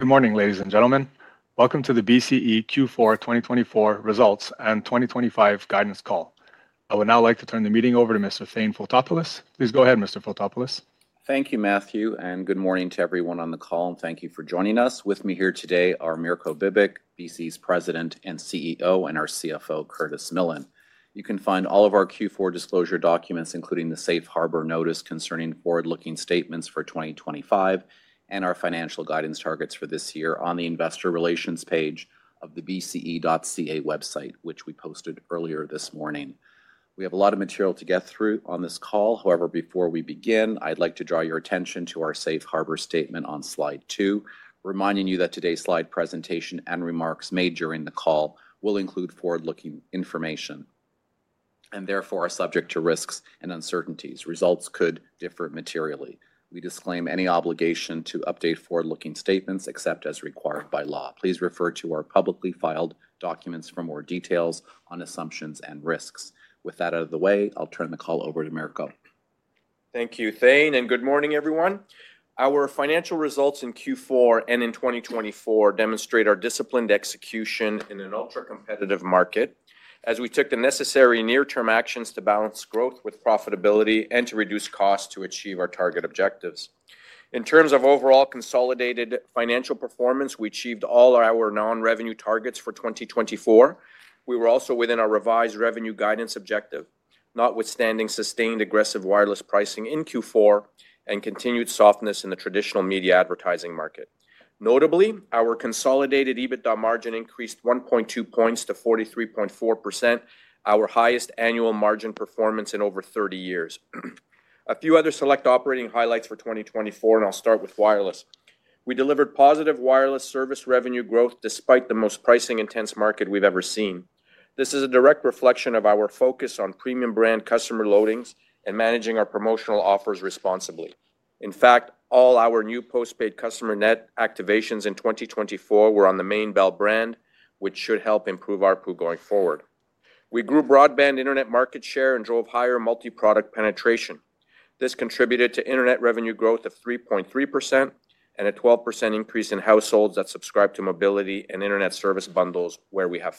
Good morning, ladies and gentlemen. Welcome to the BCE Q4 2024 Results and 2025 Guidance Call. I would now like to turn the meeting over to Mr. Thane Fotopoulos. Please go ahead, Mr. Fotopoulos. Thank you, Matthew, and good morning to everyone on the call, and thank you for joining us. With me here today are Mirko Bibic, BCE's President and CEO, and our CFO, Curtis Millen. You can find all of our Q4 disclosure documents, including the Safe Harbor Notice concerning forward-looking statements for 2025 and our financial guidance targets for this year, on the investor relations page of the bce.ca website, which we posted earlier this morning. We have a lot of material to get through on this call. However, before we begin, I'd like to draw your attention to our Safe Harbor Statement on slide two, reminding you that today's slide presentation and remarks made during the call will include forward-looking information and therefore are subject to risks and uncertainties. Results could differ materially. We disclaim any obligation to update forward-looking statements except as required by law. Please refer to our publicly filed documents for more details on assumptions and risks. With that out of the way, I'll turn the call over to Mirko. Thank you, Thane, and good morning, everyone. Our financial results in Q4 and in 2024 demonstrate our disciplined execution in an ultra-competitive market as we took the necessary near-term actions to balance growth with profitability and to reduce costs to achieve our target objectives. In terms of overall consolidated financial performance, we achieved all our non-revenue targets for 2024. We were also within our revised revenue guidance objective, notwithstanding sustained aggressive wireless pricing in Q4 and continued softness in the traditional media advertising market. Notably, our consolidated EBITDA margin increased 1.2 points to 43.4%, our highest annual margin performance in over 30 years. A few other select operating highlights for 2024, and I'll start with wireless. We delivered positive wireless service revenue growth despite the most pricing-intense market we've ever seen. This is a direct reflection of our focus on premium brand customer loadings and managing our promotional offers responsibly. In fact, all our new postpaid customer net activations in 2024 were on the main Bell brand, which should help improve our ARPU going forward. We grew broadband internet market share and drove higher multi-product penetration. This contributed to internet revenue growth of 3.3% and a 12% increase in households that subscribe to mobility and internet service bundles where we have.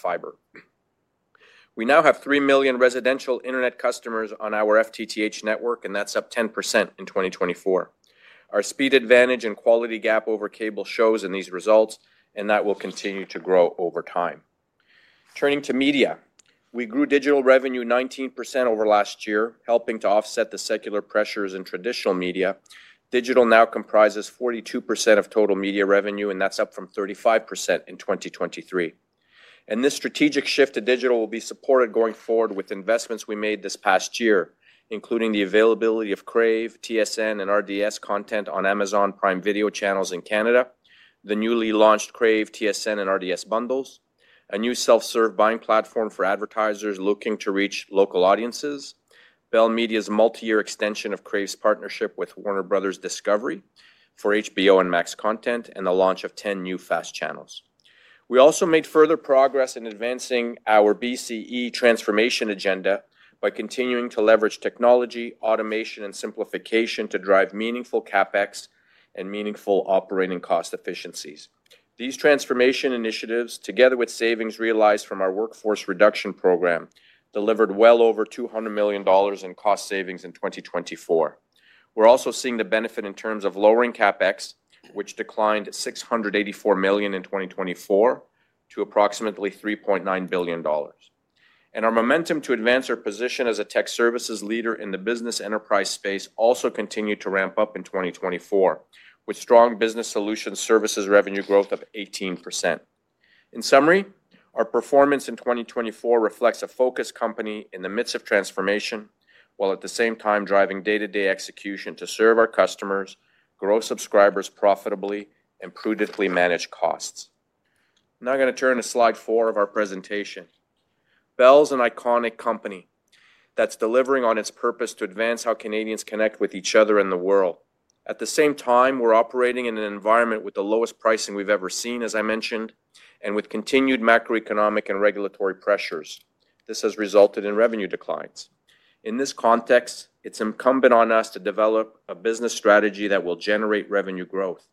We now have three million residential internet customers on our FTTH network, and that's up 10% in 2024. Our speed advantage and quality gap over cable shows in these results, and that will continue to grow over time. Turning to media, we grew digital revenue 19% over last year, helping to offset the secular pressures in traditional media. Digital now comprises 42% of total media revenue, and that's up from 35% in 2023. And this strategic shift to digital will be supported going forward with investments we made this past year, including the availability of Crave, TSN, and RDS content on Amazon Prime Video channels in Canada, the newly launched Crave, TSN, and RDS bundles, a new self-serve buying platform for advertisers looking to reach local audiences, Bell Media's multi-year extension of Crave's partnership with Warner Bros. Discovery for HBO and Max content, and the launch of 10 new FAST channels. We also made further progress in advancing our BCE transformation agenda by continuing to leverage technology, automation, and simplification to drive meaningful CapEx and meaningful operating cost efficiencies. These transformation initiatives, together with savings realized from our workforce reduction program, delivered well over 200 million dollars in cost savings in 2024. We're also seeing the benefit in terms of lowering CapEx, which declined 684 million in 2024 to approximately 3.9 billion dollars. And our momentum to advance our position as a tech services leader in the business enterprise space also continued to ramp up in 2024, with strong business solution services revenue growth of 18%. In summary, our performance in 2024 reflects a focused company in the midst of transformation while at the same time driving day-to-day execution to serve our customers, grow subscribers profitably, and prudently manage costs. I'm now going to turn to slide four of our presentation. Bell is an iconic company that's delivering on its purpose to advance how Canadians connect with each other in the world. At the same time, we're operating in an environment with the lowest pricing we've ever seen, as I mentioned, and with continued macroeconomic and regulatory pressures. This has resulted in revenue declines. In this context, it's incumbent on us to develop a business strategy that will generate revenue growth.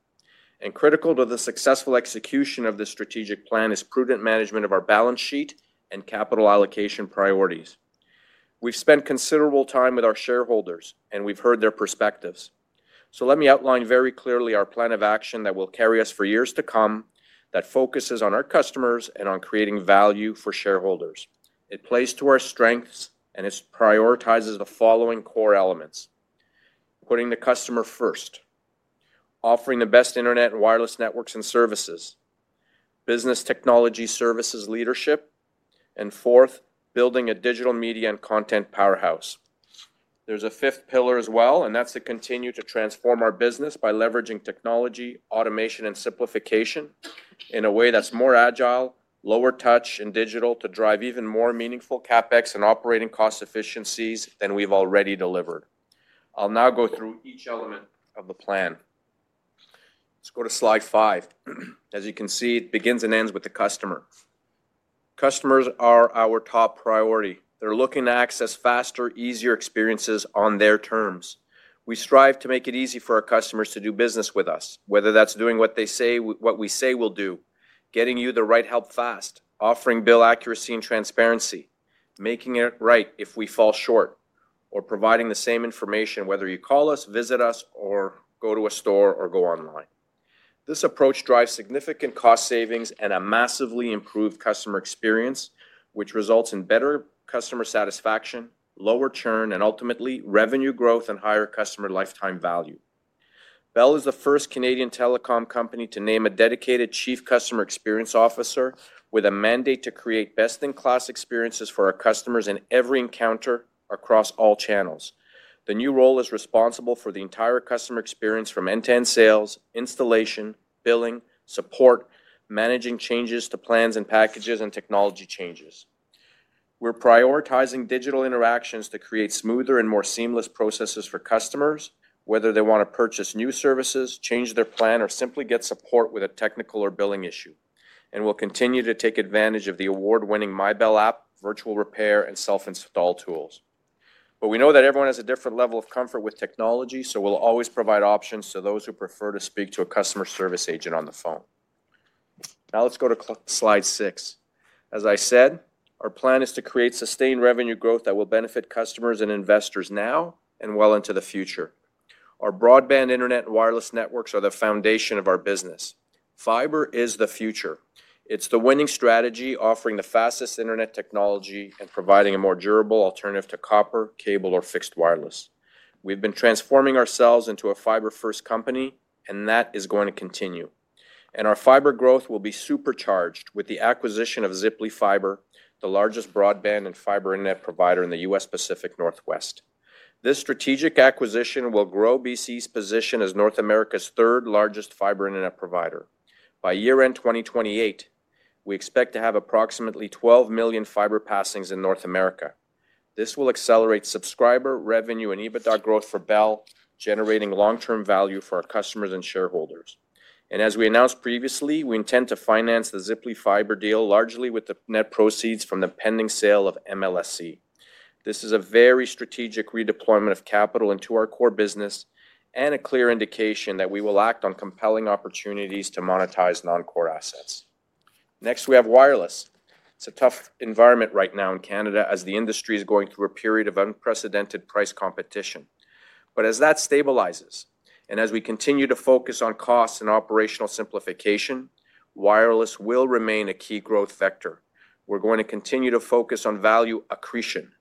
Critical to the successful execution of this strategic plan is prudent management of our balance sheet and capital allocation priorities. We've spent considerable time with our shareholders, and we've heard their perspectives. Let me outline very clearly our plan of action that will carry us for years to come that focuses on our customers and on creating value for shareholders. It plays to our strengths and prioritizes the following core elements, putting the customer first, offering the best internet and wireless networks and services, business technology services leadership, and fourth, building a digital media and content powerhouse. There's a fifth pillar as well, and that's to continue to transform our business by leveraging technology, automation, and simplification in a way that's more agile, lower touch, and digital to drive even more meaningful CapEx and operating cost efficiencies than we've already delivered. I'll now go through each element of the plan. Let's go to slide five. As you can see, it begins and ends with the customer. Customers are our top priority. They're looking to access faster, easier experiences on their terms. We strive to make it easy for our customers to do business with us, whether that's doing what we say we'll do, getting you the right help fast, offering bill accuracy and transparency, making it right if we fall short, or providing the same information whether you call us, visit us, or go to a store or go online. This approach drives significant cost savings and a massively improved customer experience, which results in better customer satisfaction, lower churn, and ultimately revenue growth and higher customer lifetime value. Bell is the first Canadian telecom company to name a dedicated Chief Customer Experience Officer with a mandate to create best-in-class experiences for our customers in every encounter across all channels. The new role is responsible for the entire customer experience from end-to-end sales, installation, billing, support, managing changes to plans and packages, and technology changes. We're prioritizing digital interactions to create smoother and more seamless processes for customers, whether they want to purchase new services, change their plan, or simply get support with a technical or billing issue. And we'll continue to take advantage of the award-winning MyBell app, virtual repair, and self-install tools. But we know that everyone has a different level of comfort with technology, so we'll always provide options to those who prefer to speak to a customer service agent on the phone. Now let's go to slide six. As I said, our plan is to create sustained revenue growth that will benefit customers and investors now and well into the future. Our broadband internet and wireless networks are the foundation of our business. Fiber is the future. It's the winning strategy, offering the fastest internet technology and providing a more durable alternative to copper, cable, or fixed wireless. We've been transforming ourselves into a fiber-first company, and that is going to continue. Our fiber growth will be supercharged with the acquisition of Ziply Fiber, the largest broadband and fiber internet provider in the U.S. Pacific Northwest. This strategic acquisition will grow BCE's position as North America's third-largest fiber internet provider. By year-end 2028, we expect to have approximately 12 million fiber passings in North America. This will accelerate subscriber revenue and EBITDA growth for Bell, generating long-term value for our customers and shareholders. And as we announced previously, we intend to finance the Ziply Fiber deal largely with the net proceeds from the pending sale of MLSE. This is a very strategic redeployment of capital into our core business and a clear indication that we will act on compelling opportunities to monetize non-core assets. Next, we have wireless. It's a tough environment right now in Canada as the industry is going through a period of unprecedented price competition. But as that stabilizes and as we continue to focus on costs and operational simplification, wireless will remain a key growth vector. We're going to continue to focus on value accretion,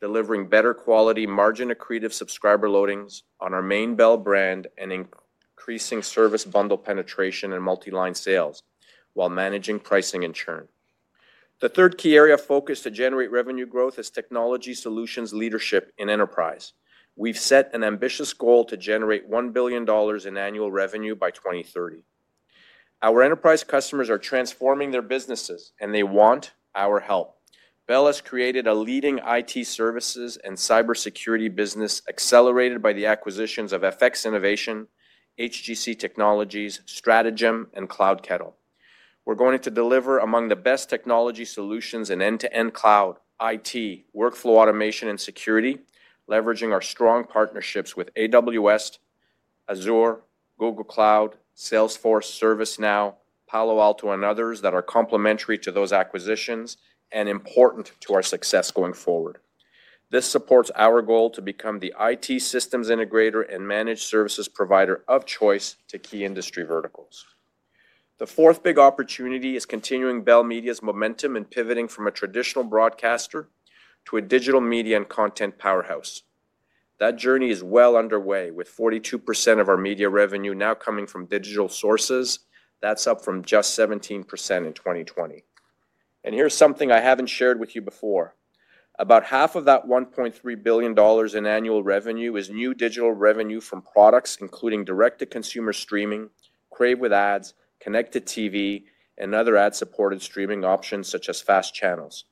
delivering better quality, margin-accretive subscriber loadings on our main Bell brand and increasing service bundle penetration and multi-line sales while managing pricing and churn. The third key area of focus to generate revenue growth is technology solutions leadership in enterprise. We've set an ambitious goal to generate 1 billion dollars in annual revenue by 2030. Our enterprise customers are transforming their businesses, and they want our help. Bell has created a leading IT services and cybersecurity business accelerated by the acquisitions of FX Innovation, HGC Technologies, Stratejm, and CloudKettle. We're going to deliver among the best technology solutions in end-to-end cloud, IT, workflow automation, and security, leveraging our strong partnerships with AWS, Azure, Google Cloud, Salesforce, ServiceNow, Palo Alto, and others that are complementary to those acquisitions and important to our success going forward. This supports our goal to become the IT systems integrator and managed services provider of choice to key industry verticals. The fourth big opportunity is continuing Bell Media's momentum in pivoting from a traditional broadcaster to a digital media and content powerhouse. That journey is well underway, with 42% of our media revenue now coming from digital sources. That's up from just 17% in 2020. And here's something I haven't shared with you before. About half of that 1.3 billion dollars in annual revenue is new digital revenue from products including direct-to-consumer streaming, Crave with ads, connected TV, and other ad-supported streaming options such as FAST channels.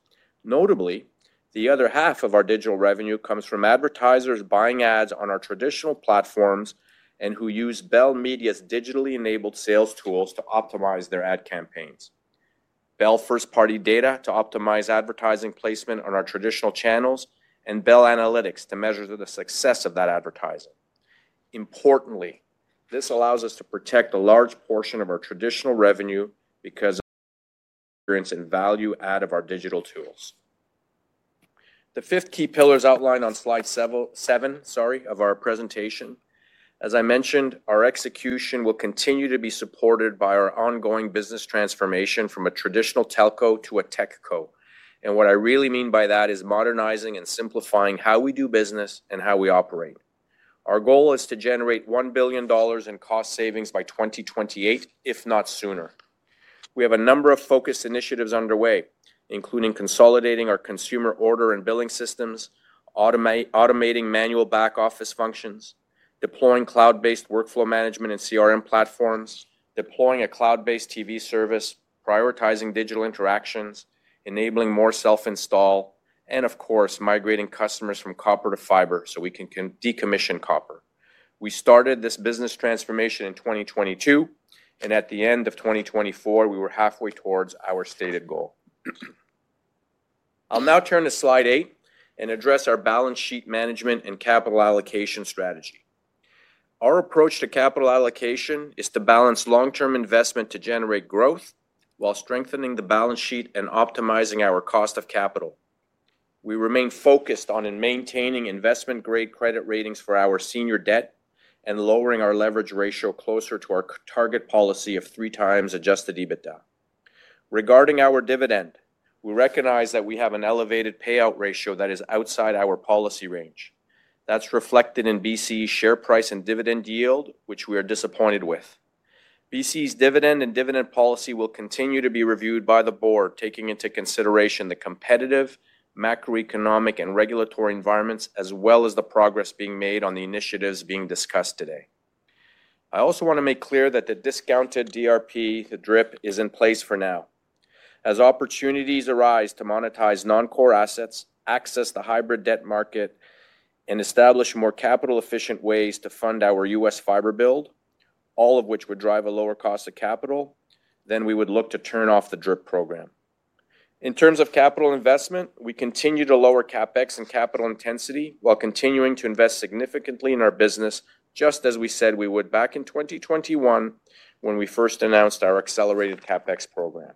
Notably, the other half of our digital revenue comes from advertisers buying ads on our traditional platforms and who use Bell Media's digitally enabled sales tools to optimize their ad campaigns, Bell First Party Data to optimize advertising placement on our traditional channels and Bell Analytics to measure the success of that advertising. Importantly, this allows us to protect a large portion of our traditional revenue because of the value add of our digital tools. The fifth key pillar is outlined on slide seven of our presentation. As I mentioned, our execution will continue to be supported by our ongoing business transformation from a traditional telco to a techco, and what I really mean by that is modernizing and simplifying how we do business and how we operate. Our goal is to generate 1 billion dollars in cost savings by 2028, if not sooner. We have a number of focused initiatives underway, including consolidating our consumer order and billing systems, automating manual back office functions, deploying cloud-based workflow management and CRM platforms, deploying a cloud-based TV service, prioritizing digital interactions, enabling more self-install, and of course, migrating customers from copper to fiber so we can decommission copper. We started this business transformation in 2022, and at the end of 2024, we were halfway towards our stated goal. I'll now turn to slide eight and address our balance sheet management and capital allocation strategy. Our approach to capital allocation is to balance long-term investment to generate growth while strengthening the balance sheet and optimizing our cost of capital. We remain focused on maintaining investment-grade credit ratings for our senior debt and lowering our leverage ratio closer to our target policy of three times Adjusted EBITDA. Regarding our dividend, we recognize that we have an elevated payout ratio that is outside our policy range. That's reflected in BCE's share price and dividend yield, which we are disappointed with. BCE's dividend and dividend policy will continue to be reviewed by the board, taking into consideration the competitive macroeconomic and regulatory environments, as well as the progress being made on the initiatives being discussed today. I also want to make clear that the discounted DRP, the DRIP, is in place for now. As opportunities arise to monetize non-core assets, access the hybrid debt market, and establish more capital-efficient ways to fund our U.S. fiber build, all of which would drive a lower cost of capital, then we would look to turn off the DRIP program. In terms of capital investment, we continue to lower CapEx and capital intensity while continuing to invest significantly in our business, just as we said we would back in 2021 when we first announced our accelerated CapEx program.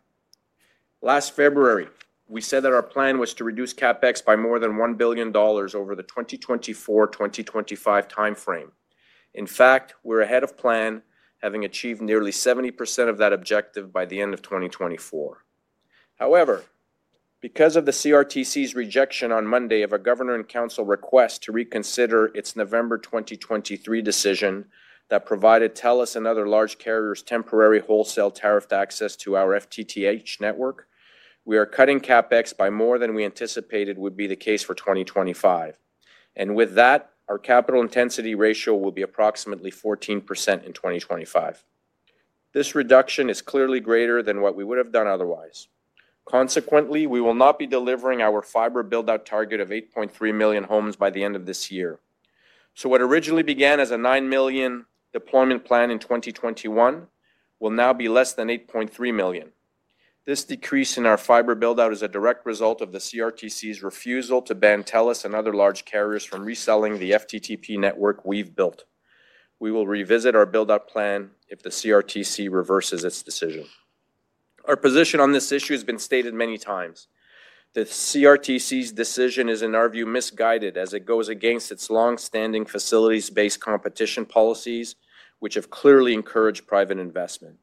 Last February, we said that our plan was to reduce CapEx by more than 1 billion dollars over the 2024-2025 timeframe. In fact, we're ahead of plan, having achieved nearly 70% of that objective by the end of 2024. However, because of the CRTC's rejection on Monday of a Governor in Council request to reconsider its November 2023 decision that provided TELUS and other large carriers temporary wholesale tariffed access to our FTTH network, we are cutting CapEx by more than we anticipated would be the case for 2025. And with that, our capital intensity ratio will be approximately 14% in 2025. This reduction is clearly greater than what we would have done otherwise. Consequently, we will not be delivering our fiber buildout target of 8.3 million homes by the end of this year. So what originally began as a 9 million deployment plan in 2021 will now be less than 8.3 million. This decrease in our fiber buildout is a direct result of the CRTC's refusal to ban TELUS and other large carriers from reselling the FTTP network we've built. We will revisit our buildout plan if the CRTC reverses its decision. Our position on this issue has been stated many times. The CRTC's decision is, in our view, misguided as it goes against its long-standing facilities-based competition policies, which have clearly encouraged private investment.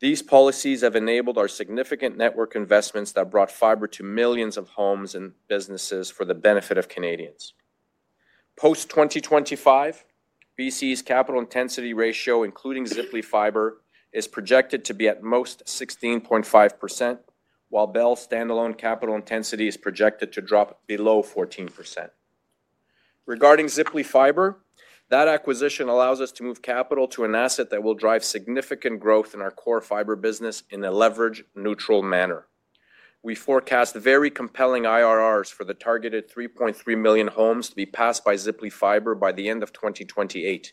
These policies have enabled our significant network investments that brought fiber to millions of homes and businesses for the benefit of Canadians. Post-2025, BCE's capital intensity ratio, including Ziply Fiber, is projected to be at most 16.5%, while Bell's standalone capital intensity is projected to drop below 14%. Regarding Ziply Fiber, that acquisition allows us to move capital to an asset that will drive significant growth in our core fiber business in a leverage-neutral manner. We forecast very compelling IRRs for the targeted 3.3 million homes to be passed by Ziply Fiber by the end of 2028.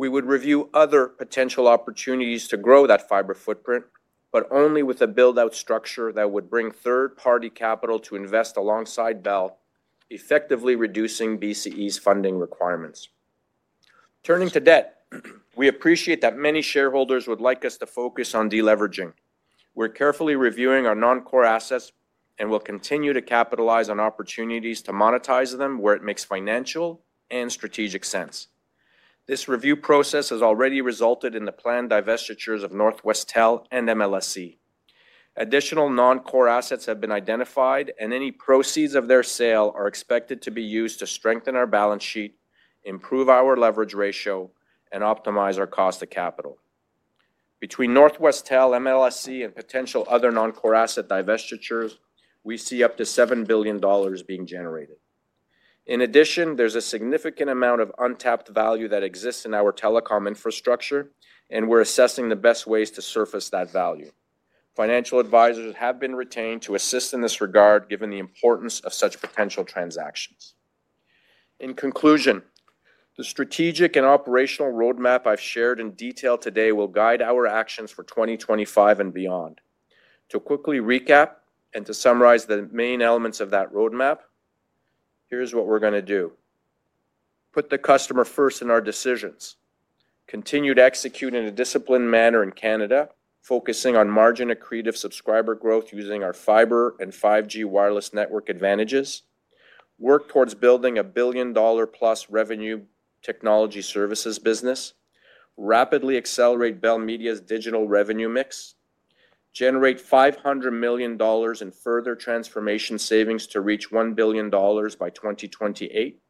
We would review other potential opportunities to grow that fiber footprint, but only with a buildout structure that would bring third-party capital to invest alongside Bell, effectively reducing BCE's funding requirements. Turning to debt, we appreciate that many shareholders would like us to focus on deleveraging. We're carefully reviewing our non-core assets and will continue to capitalize on opportunities to monetize them where it makes financial and strategic sense. This review process has already resulted in the planned divestitures of Northwestel and MLSE. Additional non-core assets have been identified, and any proceeds of their sale are expected to be used to strengthen our balance sheet, improve our leverage ratio, and optimize our cost of capital. Between Northwestel, MLSE, and potential other non-core asset divestitures, we see up to 7 billion dollars being generated. In addition, there's a significant amount of untapped value that exists in our telecom infrastructure, and we're assessing the best ways to surface that value. Financial advisors have been retained to assist in this regard, given the importance of such potential transactions. In conclusion, the strategic and operational roadmap I've shared in detail today will guide our actions for 2025 and beyond. To quickly recap and to summarize the main elements of that roadmap, here's what we're going to do. Put the customer first in our decisions. Continued execution in a disciplined manner in Canada, focusing on margin-accretive subscriber growth using our fiber and 5G wireless network advantages. Work towards building a billion-dollar-plus revenue technology services business. Rapidly accelerate Bell Media's digital revenue mix. Generate 500 million dollars in further transformation savings to reach 1 billion dollars by 2028.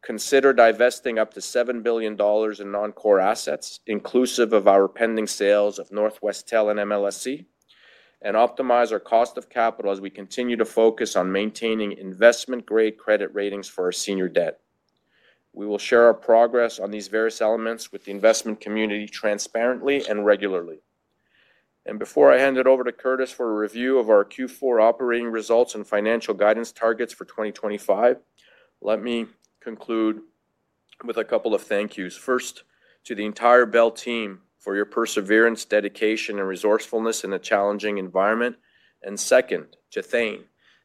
Consider divesting up to 7 billion dollars in non-core assets, inclusive of our pending sales of Northwestel and MLSE, and optimize our cost of capital as we continue to focus on maintaining investment-grade credit ratings for our senior debt. We will share our progress on these various elements with the investment community transparently and regularly. And before I hand it over to Curtis for a review of our Q4 operating results and financial guidance targets for 2025, let me conclude with a couple of thank-yous. First, to the entire Bell team for your perseverance, dedication, and resourcefulness in a challenging environment. And second, to Thane,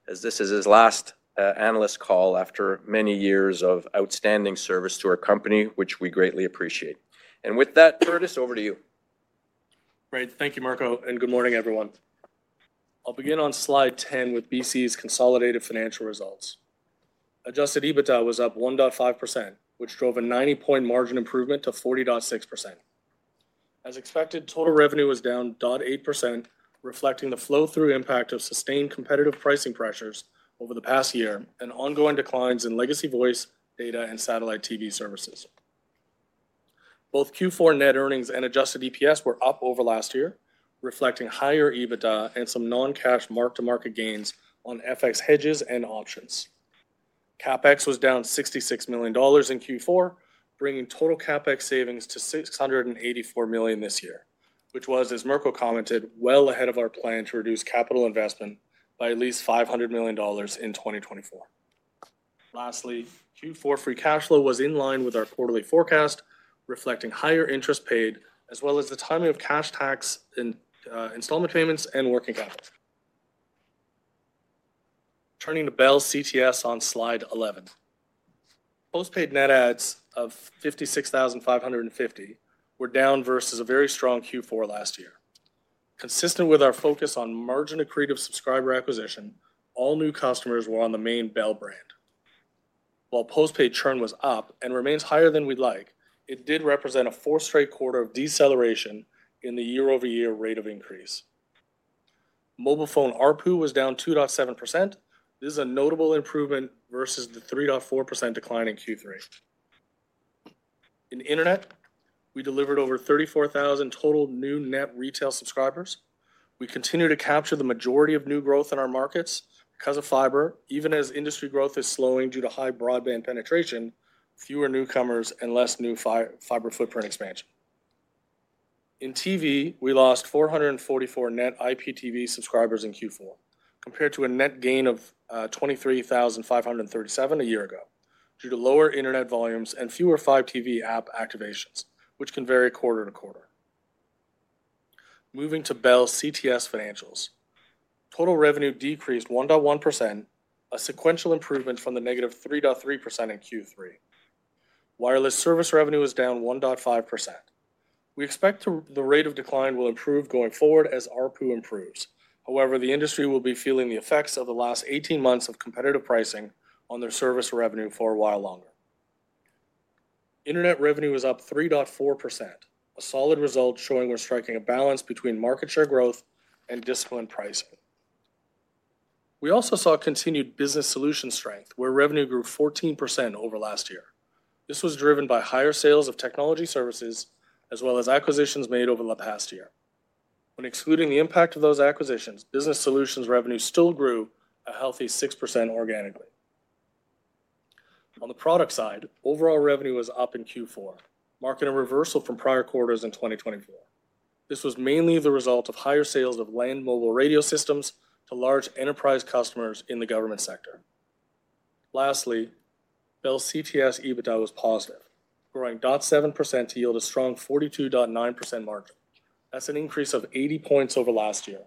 as this is his last analyst call after many years of outstanding service to our company, which we greatly appreciate. And with that, Curtis, over to you. Great. Thank you, Mirko, and good morning, everyone. I'll begin on slide 10 with BCE's consolidated financial results. Adjusted EBITDA was up 1.5%, which drove a 90-point margin improvement to 40.6%. As expected, total revenue was down 0.8%, reflecting the flow-through impact of sustained competitive pricing pressures over the past year and ongoing declines in legacy voice data and satellite TV services. Both Q4 net earnings and adjusted EPS were up over last year, reflecting higher EBITDA and some non-cash mark-to-market gains on FX hedges and options. CapEx was down 66 million dollars in Q4, bringing total CapEx savings to 684 million this year, which was, as Mirko commented, well ahead of our plan to reduce capital investment by at least 500 million dollars in 2024. Lastly, Q4 free cash flow was in line with our quarterly forecast, reflecting higher interest paid as well as the timing of cash tax installment payments and working capital. Turning to Bell's CTS on slide 11. Postpaid net adds of 56,550 were down versus a very strong Q4 last year. Consistent with our focus on margin-accretive subscriber acquisition, all new customers were on the main Bell brand. While postpaid churn was up and remains higher than we'd like, it did represent a fourth straight quarter of deceleration in the year-over-year rate of increase. Mobile phone ARPU was down 2.7%. This is a notable improvement versus the 3.4% decline in Q3. In internet, we delivered over 34,000 total new net retail subscribers. We continue to capture the majority of new growth in our markets because of fiber, even as industry growth is slowing due to high broadband penetration, fewer newcomers, and less new fiber footprint expansion. In TV, we lost 444 net IPTV subscribers in Q4 compared to a net gain of 23,537 a year ago due to lower internet volumes and fewer Fibe TV app activations, which can vary quarter-to-quarter. Moving to Bell's CTS financials. Total revenue decreased 1.1%, a sequential improvement from the negative 3.3% in Q3. Wireless service revenue is down 1.5%. We expect the rate of decline will improve going forward as ARPU improves. However, the industry will be feeling the effects of the last 18 months of competitive pricing on their service revenue for a while longer. Internet revenue is up 3.4%, a solid result showing we're striking a balance between market share growth and disciplined pricing. We also saw continued business solution strength, where revenue grew 14% over last year. This was driven by higher sales of technology services as well as acquisitions made over the past year. When excluding the impact of those acquisitions, business solutions revenue still grew a healthy 6% organically. On the product side, overall revenue was up in Q4, marking a reversal from prior quarters in 2024. This was mainly the result of higher sales of land mobile radio systems to large enterprise customers in the government sector. Lastly, Bell's CTS EBITDA was positive, growing 0.7% to yield a strong 42.9% margin. That's an increase of 80 points over last year,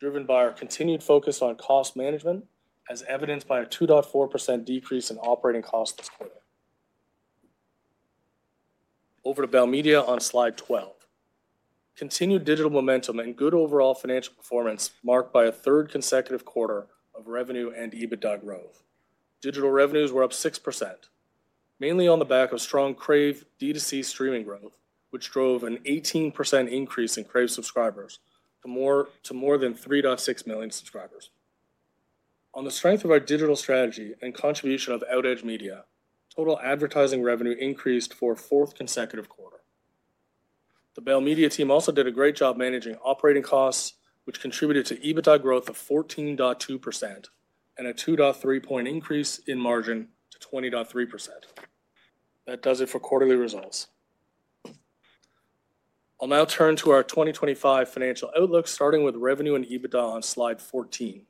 driven by our continued focus on cost management, as evidenced by a 2.4% decrease in operating costs this quarter. Over to Bell Media on slide 12. Continued digital momentum and good overall financial performance marked by a third consecutive quarter of revenue and EBITDA growth. Digital revenues were up 6%, mainly on the back of strong Crave D2C streaming growth, which drove an 18% increase in Crave subscribers to more than 3.6 million subscribers. On the strength of our digital strategy and contribution of OutEdge Media, total advertising revenue increased for a fourth consecutive quarter. The Bell Media team also did a great job managing operating costs, which contributed to EBITDA growth of 14.2% and a 2.3-point increase in margin to 20.3%. That does it for quarterly results. I'll now turn to our 2025 financial outlook, starting with revenue and EBITDA on slide 14.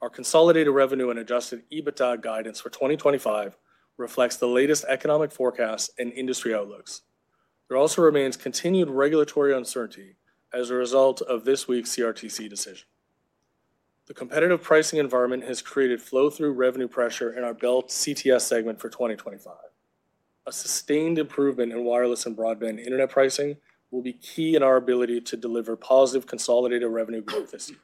Our consolidated revenue and adjusted EBITDA guidance for 2025 reflects the latest economic forecasts and industry outlooks. There also remains continued regulatory uncertainty as a result of this week's CRTC decision. The competitive pricing environment has created flow-through revenue pressure in our Bell CTS segment for 2025. A sustained improvement in wireless and broadband internet pricing will be key in our ability to deliver positive consolidated revenue growth this year.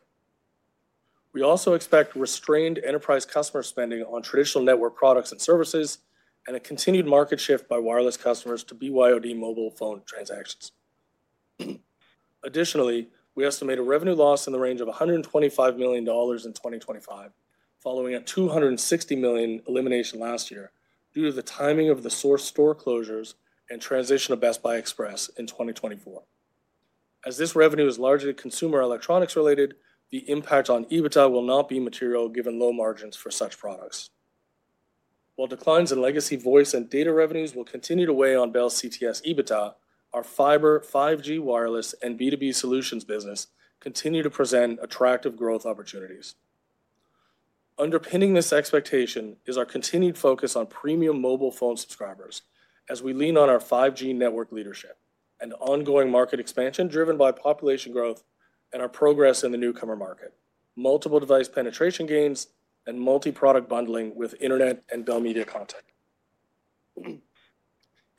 We also expect restrained enterprise customer spending on traditional network products and services and a continued market shift by wireless customers to BYOD mobile phone transactions. Additionally, we estimate a revenue loss in the range of 125 million dollars in 2025, following a 260 million elimination last year due to the timing of The Source store closures and transition of Best Buy Express in 2024. As this revenue is largely consumer electronics related, the impact on EBITDA will not be material given low margins for such products. While declines in legacy voice and data revenues will continue to weigh on Bell's CTS EBITDA, our fiber, 5G, wireless, and B2B solutions business continue to present attractive growth opportunities. Underpinning this expectation is our continued focus on premium mobile phone subscribers as we lean on our 5G network leadership and ongoing market expansion driven by population growth and our progress in the newcomer market, multiple device penetration gains, and multi-product bundling with internet and Bell Media content.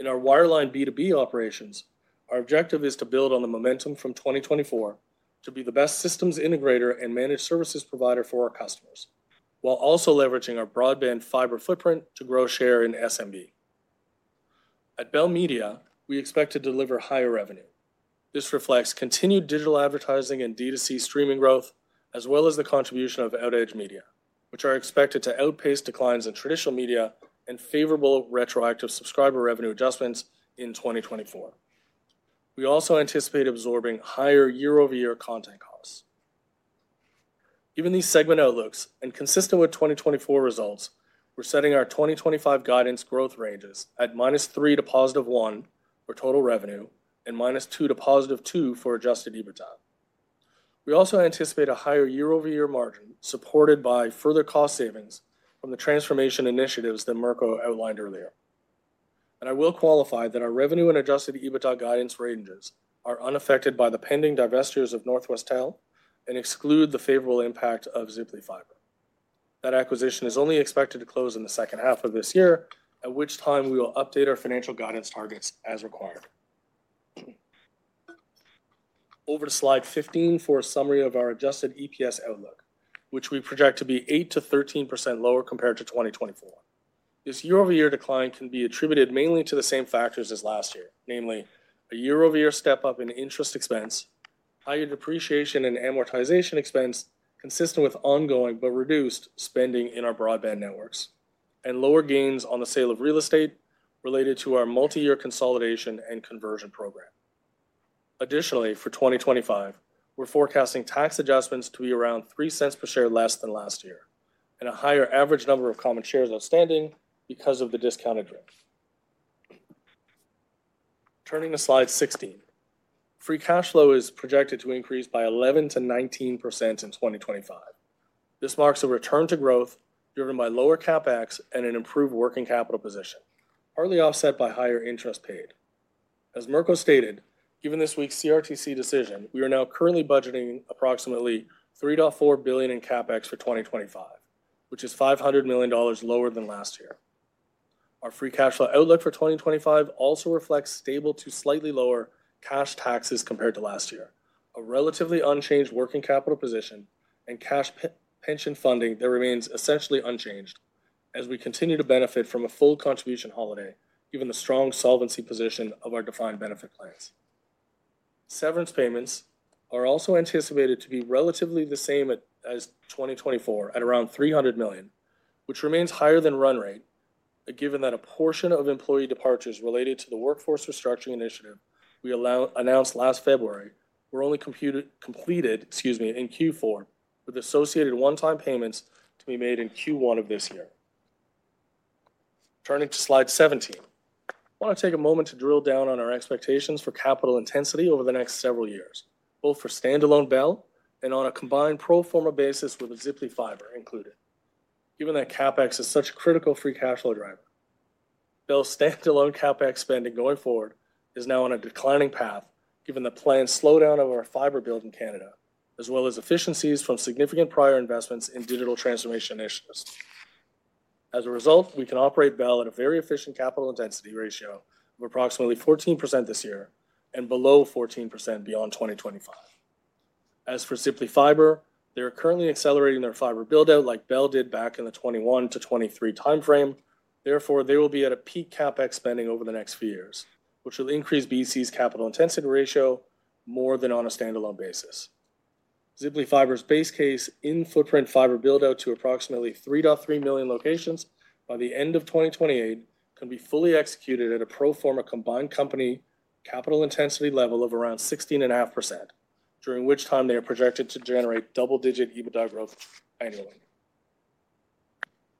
In our wireline B2B operations, our objective is to build on the momentum from 2024 to be the best systems integrator and managed services provider for our customers, while also leveraging our broadband fiber footprint to grow share in SMB. At Bell Media, we expect to deliver higher revenue. This reflects continued digital advertising and D2C streaming growth, as well as the contribution of OutEdge Media, which are expected to outpace declines in traditional media and favorable retroactive subscriber revenue adjustments in 2024. We also anticipate absorbing higher year-over-year content costs. Given these segment outlooks and consistent with 2024 results, we're setting our 2025 guidance growth ranges at -3% to +1% for total revenue and -2% to +2% for adjusted EBITDA. We also anticipate a higher year-over-year margin supported by further cost savings from the transformation initiatives that Mirko outlined earlier. I will qualify that our revenue and adjusted EBITDA guidance ranges are unaffected by the pending divestitures of Northwestel and exclude the favorable impact of Ziply Fiber. That acquisition is only expected to close in the second half of this year, at which time we will update our financial guidance targets as required. Over to slide 15 for a summary of our adjusted EPS outlook, which we project to be 8%-13% lower compared to 2024. This year-over-year decline can be attributed mainly to the same factors as last year, namely a year-over-year step-up in interest expense, higher depreciation and amortization expense consistent with ongoing but reduced spending in our broadband networks, and lower gains on the sale of real estate related to our multi-year consolidation and conversion program. Additionally, for 2025, we're forecasting tax adjustments to be around 0.03 per share less than last year and a higher average number of common shares outstanding because of the DRIP. Turning to slide 16, free cash flow is projected to increase by 11%-19% in 2025. This marks a return to growth driven by lower CapEx and an improved working capital position, partly offset by higher interest paid. As Mirko stated, given this week's CRTC decision, we are now currently budgeting approximately 3.4 billion in CapEx for 2025, which is 500 million dollars lower than last year. Our free cash flow outlook for 2025 also reflects stable to slightly lower cash taxes compared to last year, a relatively unchanged working capital position, and cash pension funding that remains essentially unchanged as we continue to benefit from a full contribution holiday, given the strong solvency position of our defined benefit plans. Severance payments are also anticipated to be relatively the same as 2024 at around 300 million, which remains higher than run rate, given that a portion of employee departures related to the workforce restructuring initiative we announced last February were only completed in Q4, with associated one-time payments to be made in Q1 of this year. Turning to slide 17, I want to take a moment to drill down on our expectations for capital intensity over the next several years, both for standalone Bell and on a combined pro forma basis with Ziply Fiber included, given that CapEx is such a critical free cash flow driver. Bell's standalone CapEx spending going forward is now on a declining path, given the planned slowdown of our fiber build in Canada, as well as efficiencies from significant prior investments in digital transformation initiatives. As a result, we can operate Bell at a very efficient capital intensity ratio of approximately 14% this year and below 14% beyond 2025. As for Ziply Fiber, they are currently accelerating their fiber build-out like Bell did back in the 2021-2023 timeframe. Therefore, they will be at a peak CapEx spending over the next few years, which will increase BCE's capital intensity ratio more than on a standalone basis. Ziply Fiber's base case in-footprint fiber build-out to approximately 3.3 million locations by the end of 2028 can be fully executed at a pro forma combined company capital intensity level of around 16.5%, during which time they are projected to generate double-digit EBITDA growth annually.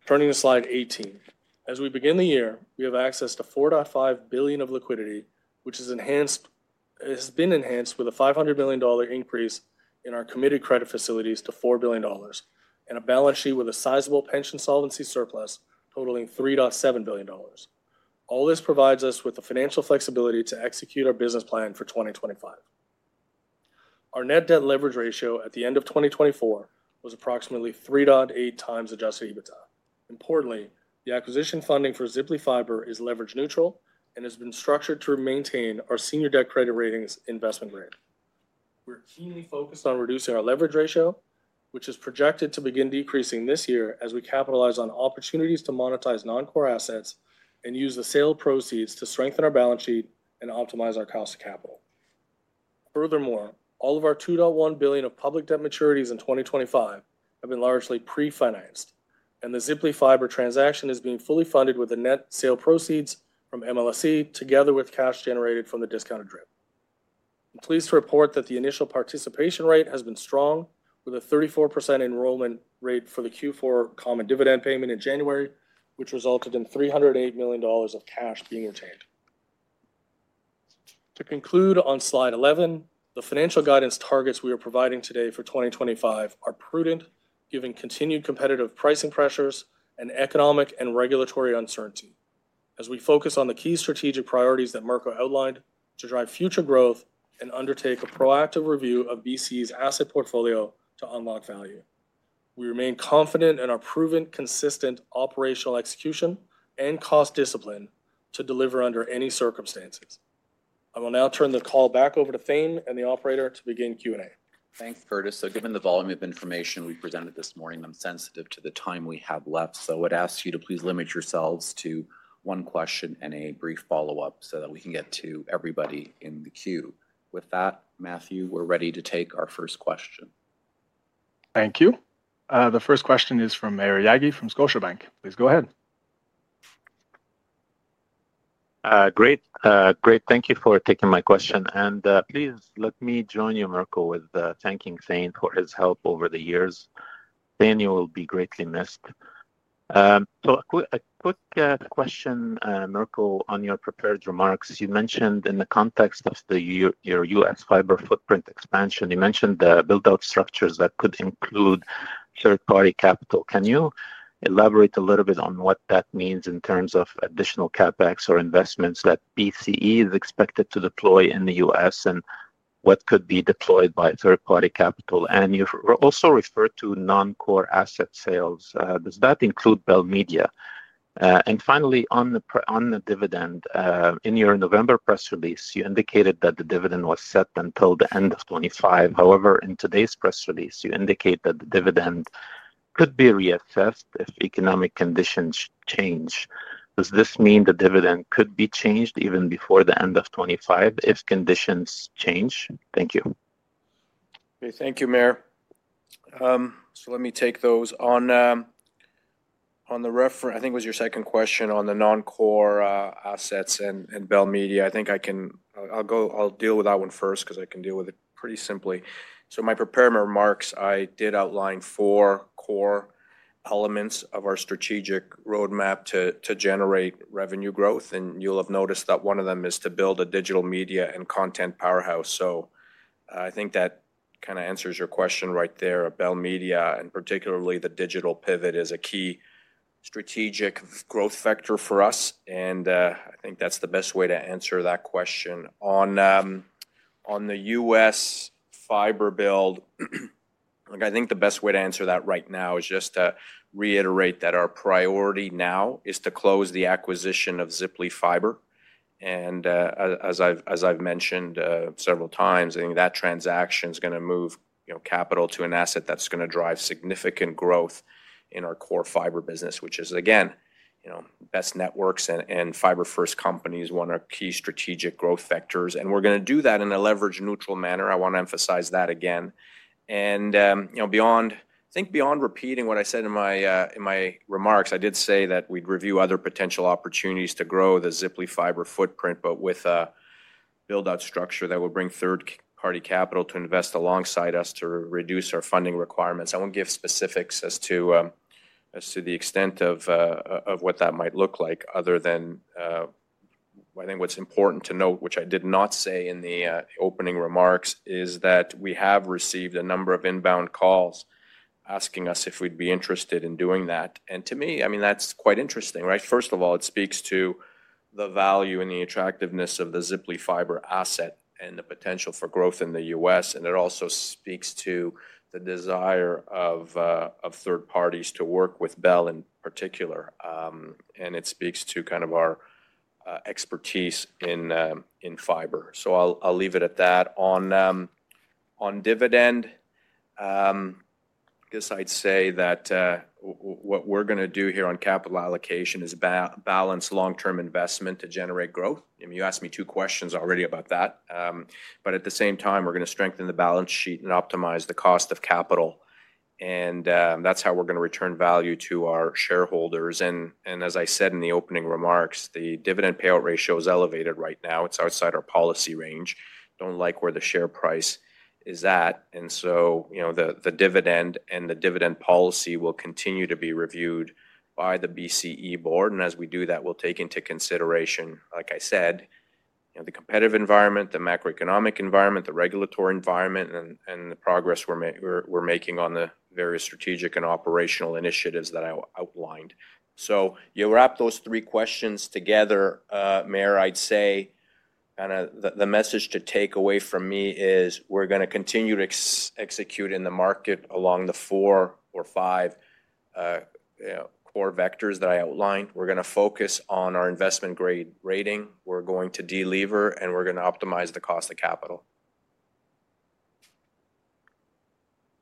Turning to slide 18, as we begin the year, we have access to 4.5 billion of liquidity, which has been enhanced with a 500 million dollar increase in our committed credit facilities to 4 billion dollars and a balance sheet with a sizable pension solvency surplus totaling 3.7 billion dollars. All this provides us with the financial flexibility to execute our business plan for 2025. Our net debt leverage ratio at the end of 2024 was approximately 3.8 times adjusted EBITDA. Importantly, the acquisition funding for Ziply Fiber is leverage neutral and has been structured to maintain our senior debt credit ratings investment-grade. We're keenly focused on reducing our leverage ratio, which is projected to begin decreasing this year as we capitalize on opportunities to monetize non-core assets and use the sale proceeds to strengthen our balance sheet and optimize our cost of capital. Furthermore, all of our 2.1 billion dollar of public debt maturities in 2025 have been largely pre-financed, and the Ziply Fiber transaction is being fully funded with the net sale proceeds from MLSE together with cash generated from the DRIP. I'm pleased to report that the initial participation rate has been strong, with a 34% enrollment rate for the Q4 common dividend payment in January, which resulted in 308 million dollars of cash being retained. To conclude on slide 11, the financial guidance targets we are providing today for 2025 are prudent, given continued competitive pricing pressures and economic and regulatory uncertainty. As we focus on the key strategic priorities that Mirko outlined to drive future growth and undertake a proactive review of BCE's asset portfolio to unlock value, we remain confident in our proven, consistent operational execution and cost discipline to deliver under any circumstances. I will now turn the call back over to Thane and the operator to begin Q&A. Thanks, Curtis. So given the volume of information we presented this morning, I'm sensitive to the time we have left. So I would ask you to please limit yourselves to one question and a brief follow-up so that we can get to everybody in the queue. With that, Matthew, we're ready to take our first question. Thank you. The first question is from Maher Yaghi from Scotiabank. Please go ahead. Great. Great. Thank you for taking my question. And please let me join you, Mirko, with thanking Thane for his help over the years. Thane will be greatly missed. So a quick question, Mirko, on your prepared remarks. You mentioned in the context of your U.S. fiber footprint expansion, you mentioned the build-out structures that could include third-party capital. Can you elaborate a little bit on what that means in terms of additional CapEx or investments that BCE is expected to deploy in the U.S. and what could be deployed by third-party capital? And you also referred to non-core asset sales. Does that include Bell Media? And finally, on the dividend, in your November press release, you indicated that the dividend was set until the end of 2025. However, in today's press release, you indicate that the dividend could be reassessed if economic conditions change. Does this mean the dividend could be changed even before the end of 2025 if conditions change? Thank you. Okay. Thank you, Maher. So let me take those in reverse. I think it was your second question on the non-core assets and Bell Media. I think I can deal with that one first because I can deal with it pretty simply. So my prepared remarks, I did outline four core elements of our strategic roadmap to generate revenue growth. And you'll have noticed that one of them is to build a digital media and content powerhouse. So I think that kind of answers your question right there. Bell Media, and particularly the digital pivot, is a key strategic growth factor for us. I think that's the best way to answer that question. On the U.S. fiber build, I think the best way to answer that right now is just to reiterate that our priority now is to close the acquisition of Ziply Fiber. And as I've mentioned several times, I think that transaction is going to move capital to an asset that's going to drive significant growth in our core fiber business, which is, again, Best Networks and fiber-first companies are one of our key strategic growth factors. And we're going to do that in a leverage-neutral manner. I want to emphasize that again. And I think beyond repeating what I said in my remarks, I did say that we'd review other potential opportunities to grow the Ziply Fiber footprint, but with a build-out structure that will bring third-party capital to invest alongside us to reduce our funding requirements. I won't give specifics as to the extent of what that might look like. Other than I think what's important to note, which I did not say in the opening remarks, is that we have received a number of inbound calls asking us if we'd be interested in doing that. To me, I mean, that's quite interesting, right? First of all, it speaks to the value and the attractiveness of the Ziply Fiber asset and the potential for growth in the U.S. It also speaks to the desire of third parties to work with Bell in particular. It speaks to kind of our expertise in fiber. So I'll leave it at that. On dividend, I guess I'd say that what we're going to do here on capital allocation is balance long-term investment to generate growth. I mean, you asked me two questions already about that. But at the same time, we're going to strengthen the balance sheet and optimize the cost of capital. And that's how we're going to return value to our shareholders. And as I said in the opening remarks, the dividend payout ratio is elevated right now. It's outside our policy range. Don't like where the share price is at. And so the dividend and the dividend policy will continue to be reviewed by the BCE board. And as we do that, we'll take into consideration, like I said, the competitive environment, the macroeconomic environment, the regulatory environment, and the progress we're making on the various strategic and operational initiatives that I outlined. So you wrap those three questions together, Maher, I'd say kind of the message to take away from me is we're going to continue to execute in the market along the four or five core vectors that I outlined. We're going to focus on our investment-grade rating. We're going to deliver, and we're going to optimize the cost of capital.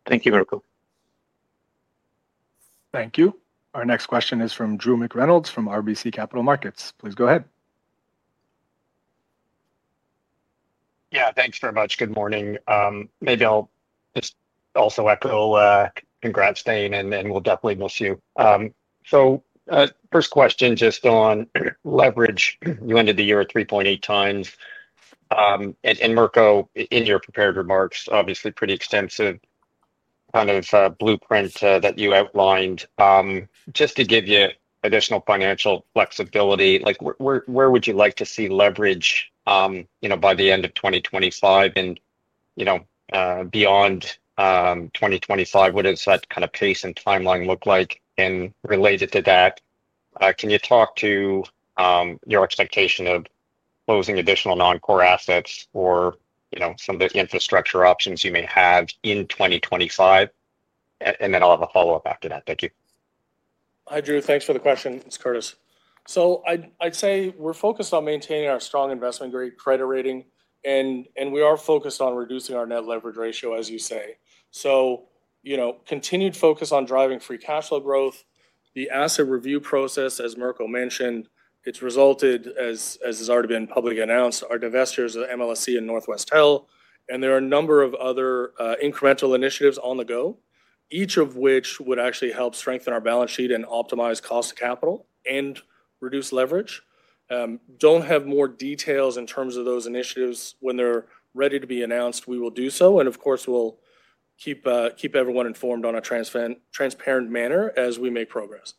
Thank you, Mirko. Thank you. Our next question is from Drew McReynolds from RBC Capital Markets. Please go ahead. Yeah. Thanks very much. Good morning. Maybe I'll just also echo congrats, Thane, and we'll definitely miss you. So first question, just on leverage. You ended the year at 3.8 times. And Mirko, in your prepared remarks, obviously pretty extensive kind of blueprint that you outlined. Just to give you additional financial flexibility, where would you like to see leverage by the end of 2025 and beyond 2025? What does that kind of pace and timeline look like? And related to that, can you talk to your expectation of closing additional non-core assets or some of the infrastructure options you may have in 2025? And then I'll have a follow-up after that. Thank you. Hi, Drew. Thanks for the question. It's Curtis. So I'd say we're focused on maintaining our strong investment-grade credit rating, and we are focused on reducing our net leverage ratio, as you say. So continued focus on driving free cash flow growth. The asset review process, as Mirko mentioned, it's resulted, as has already been publicly announced, our divestitures of MLSE and Northwestel. And there are a number of other incremental initiatives on the go, each of which would actually help strengthen our balance sheet and optimize cost of capital and reduce leverage. Don't have more details in terms of those initiatives. When they're ready to be announced, we will do so. And of course, we'll keep everyone informed in a transparent manner as we make progress.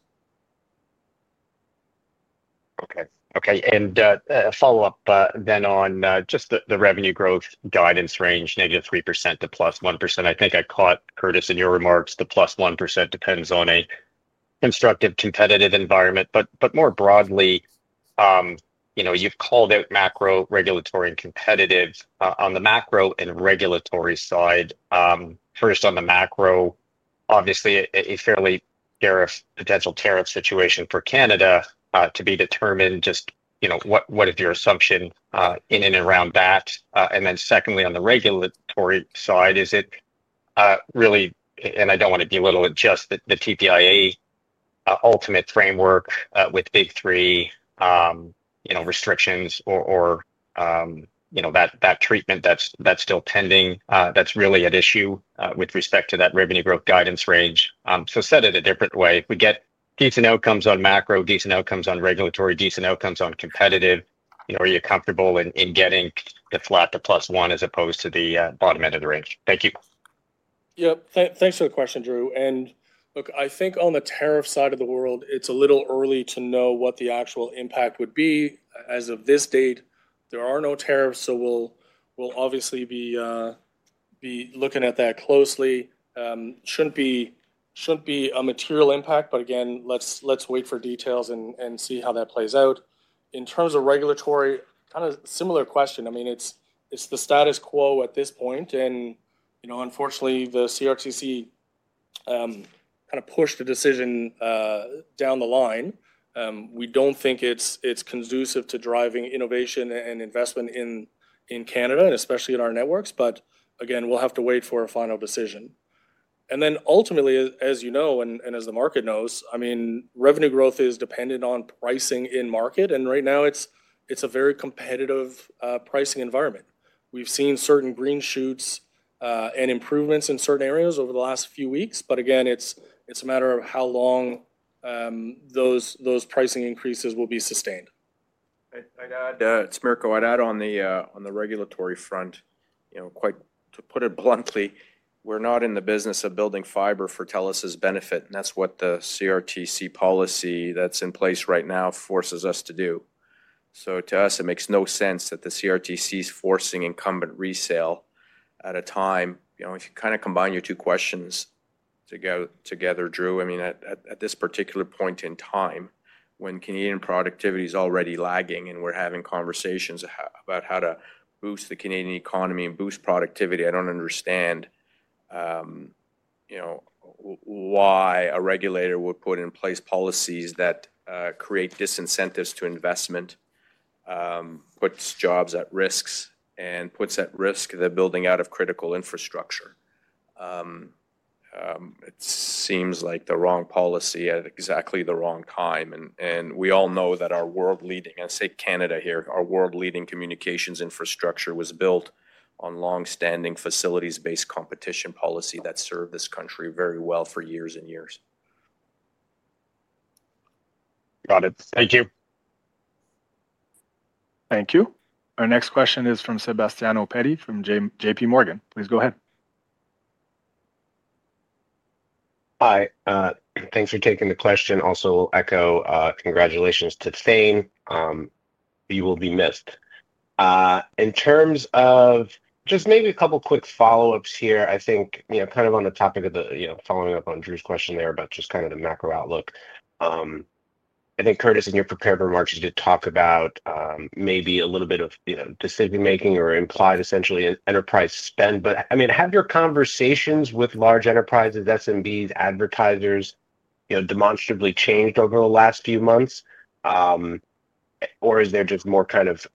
Okay. Okay. A follow-up then on just the revenue growth guidance range, -3% to +1%. I think I caught, Curtis, in your remarks, the +1% depends on a constructive competitive environment. But more broadly, you've called out macro, regulatory, and competitive. On the macro and regulatory side, first, on the macro, obviously, a fairly potential tariff situation for Canada to be determined. Just what is your assumption in and around that? And then secondly, on the regulatory side, is it really, and I don't want to belittle it, just the TPIA ultimate framework with big three restrictions or that treatment that's still pending? That's really an issue with respect to that revenue growth guidance range. To say it a different way, if we get decent outcomes on macro, decent outcomes on regulatory, decent outcomes on competitive, are you comfortable in getting the flat to plus one as opposed to the bottom end of the range? Thank you. Yep. Thanks for the question, Drew. Look, I think on the tariff side of the world, it's a little early to know what the actual impact would be. As of this date, there are no tariffs, so we'll obviously be looking at that closely. Shouldn't be a material impact, but again, let's wait for details and see how that plays out. In terms of regulatory, kind of similar question. I mean, it's the status quo at this point. Unfortunately, the CRTC kind of pushed the decision down the line. We don't think it's conducive to driving innovation and investment in Canada, and especially in our networks. But again, we'll have to wait for a final decision. And then ultimately, as you know and as the market knows, I mean, revenue growth is dependent on pricing in market. And right now, it's a very competitive pricing environment. We've seen certain green shoots and improvements in certain areas over the last few weeks. But again, it's a matter of how long those pricing increases will be sustained. It's Mirko. I'd add on the regulatory front, quite to put it bluntly, we're not in the business of building fiber for TELUS's benefit. And that's what the CRTC policy that's in place right now forces us to do. So to us, it makes no sense that the CRTC is forcing incumbent resale at a time. If you kind of combine your two questions together, Drew, I mean, at this particular point in time, when Canadian productivity is already lagging and we're having conversations about how to boost the Canadian economy and boost productivity, I don't understand why a regulator would put in place policies that create disincentives to investment, puts jobs at risk, and puts at risk the building out of critical infrastructure. It seems like the wrong policy at exactly the wrong time. And we all know that our world-leading, and I say Canada here, our world-leading communications infrastructure was built on long-standing facilities-based competition policy that served this country very well for years and years. Got it. Thank you. Thank you. Our next question is from Sebastiano Petti from J.P. Morgan. Please go ahead. Hi. Thanks for taking the question. Also, I'll echo congratulations to Thane. You will be missed. In terms of just maybe a couple of quick follow-ups here, I think kind of on the topic of the following up on Drew's question there about just kind of the macro outlook. I think, Curtis, in your prepared remarks, you did talk about maybe a little bit of decision-making or implied essentially enterprise spend. But I mean, have your conversations with large enterprises, SMBs, advertisers demonstrably changed over the last few months? Or is there just more kind of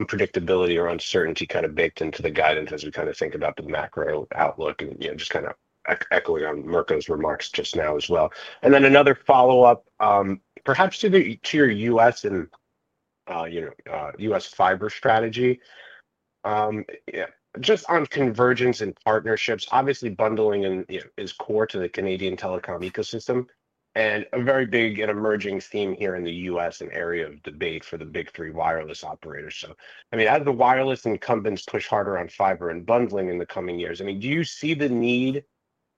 unpredictability or uncertainty kind of baked into the guidance as we kind of think about the macro outlook? And just kind of echoing on Mirko's remarks just now as well. And then another follow-up, perhaps to your U.S. and U.S. fiber strategy, just on convergence and partnerships. Obviously, bundling is core to the Canadian telecom ecosystem and a very big and emerging theme here in the U.S. And area of debate for the big three wireless operators. So I mean, as the wireless incumbents push harder on fiber and bundling in the coming years, I mean, do you see the need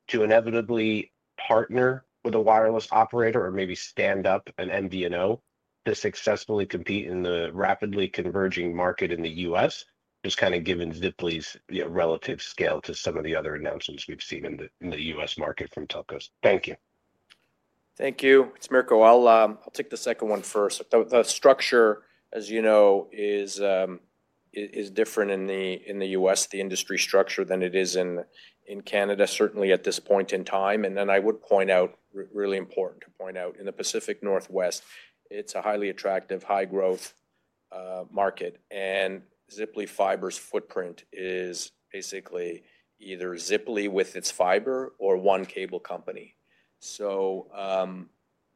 to inevitably partner with a wireless operator or maybe stand up an MVNO to successfully compete in the rapidly converging market in the U.S., just kind of given Ziply's relative scale to some of the other announcements we've seen in the U.S. market from telcos? Thank you. Thank you. It's Mirko. I'll take the second one first. The structure, as you know, is different in the U.S., the industry structure than it is in Canada, certainly at this point in time. And then I would point out, really important to point out, in the Pacific Northwest, it's a highly attractive, high-growth market. Ziply Fiber's footprint is basically either Ziply with its fiber or one cable company. So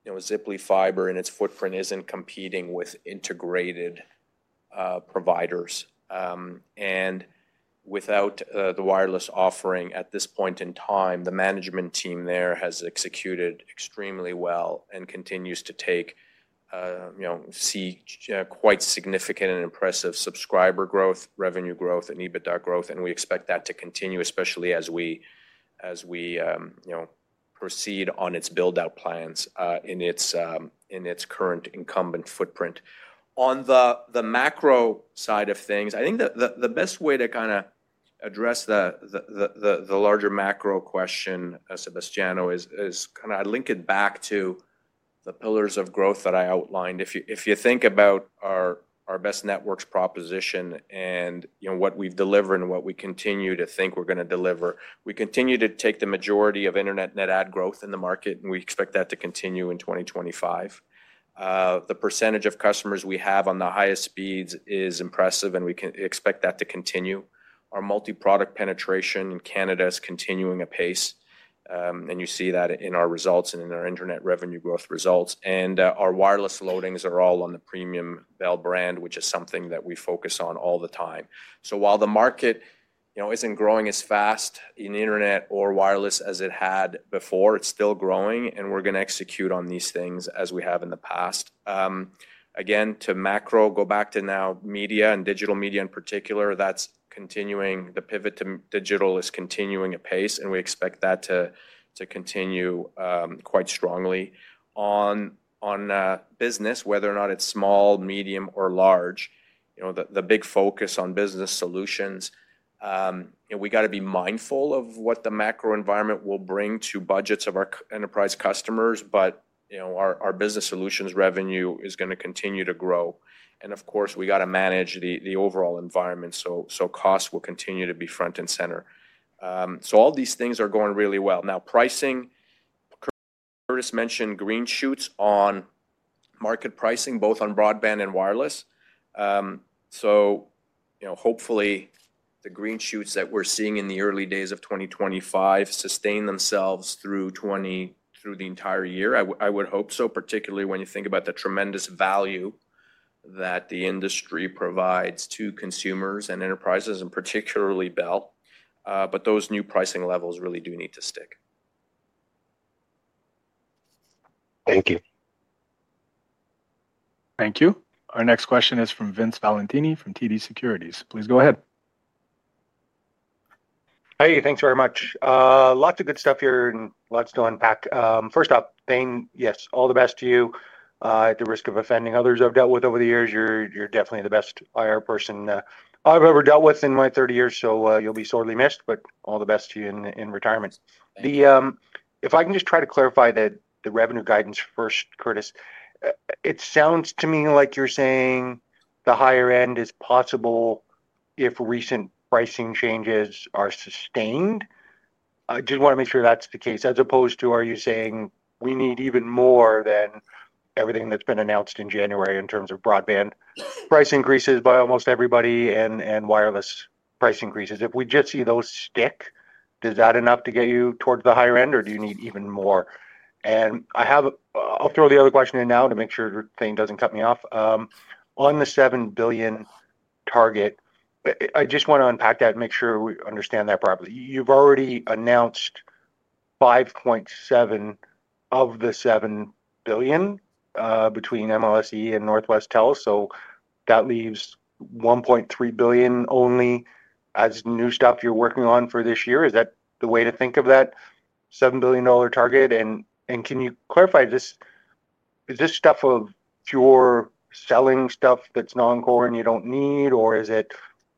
Ziply Fiber and its footprint isn't competing with integrated providers. Without the wireless offering at this point in time, the management team there has executed extremely well and continues to see quite significant and impressive subscriber growth, revenue growth, and EBITDA growth. We expect that to continue, especially as we proceed on its build-out plans in its current incumbent footprint. On the macro side of things, I think the best way to kind of address the larger macro question, Sebastiano, is kind of I link it back to the pillars of growth that I outlined. If you think about our best networks proposition and what we've delivered and what we continue to think we're going to deliver, we continue to take the majority of internet net add growth in the market, and we expect that to continue in 2025. The percentage of customers we have on the highest speeds is impressive, and we can expect that to continue. Our multi-product penetration in Canada is continuing apace. And you see that in our results and in our internet revenue growth results. And our wireless loadings are all on the premium Bell brand, which is something that we focus on all the time. So while the market isn't growing as fast in internet or wireless as it had before, it's still growing, and we're going to execute on these things as we have in the past. Again, to macro, go back to now media and digital media in particular. That's continuing the pivot to digital is continuing apace, and we expect that to continue quite strongly. On business, whether or not it's small, medium, or large, the big focus on business solutions. We got to be mindful of what the macro environment will bring to budgets of our enterprise customers, but our business solutions revenue is going to continue to grow, and of course, we got to manage the overall environment so costs will continue to be front and center, so all these things are going really well. Now, pricing. Curtis mentioned green shoots on market pricing, both on broadband and wireless, so hopefully, the green shoots that we're seeing in the early days of 2025 sustain themselves through the entire year. I would hope so, particularly when you think about the tremendous value that the industry provides to consumers and enterprises, and particularly Bell. But those new pricing levels really do need to stick. Thank you. Thank you. Our next question is from Vince Valentini from TD Securities. Please go ahead. Hey, thanks very much. Lots of good stuff here and lots to unpack. First off, Thane, yes, all the best to you. At the risk of offending others I've dealt with over the years, you're definitely the best IR person I've ever dealt with in my 30 years, so you'll be sorely missed, but all the best to you in retirement. If I can just try to clarify the revenue guidance first, Curtis, it sounds to me like you're saying the higher end is possible if recent pricing changes are sustained. I just want to make sure that's the case. As opposed to, are you saying we need even more than everything that's been announced in January in terms of broadband price increases by almost everybody and wireless price increases? If we just see those stick, is that enough to get you towards the higher end, or do you need even more? And I'll throw the other question in now to make sure Thane doesn't cut me off. On the 7 billion target, I just want to unpack that and make sure we understand that properly. You've already announced 5.7 billion of the 7 billion between MLSE and Northwestel. So that leaves 1.3 billion only as new stuff you're working on for this year. Is that the way to think of that 7 billion dollar target? Can you clarify, is this stuff of pure selling stuff that's non-core and you don't need, or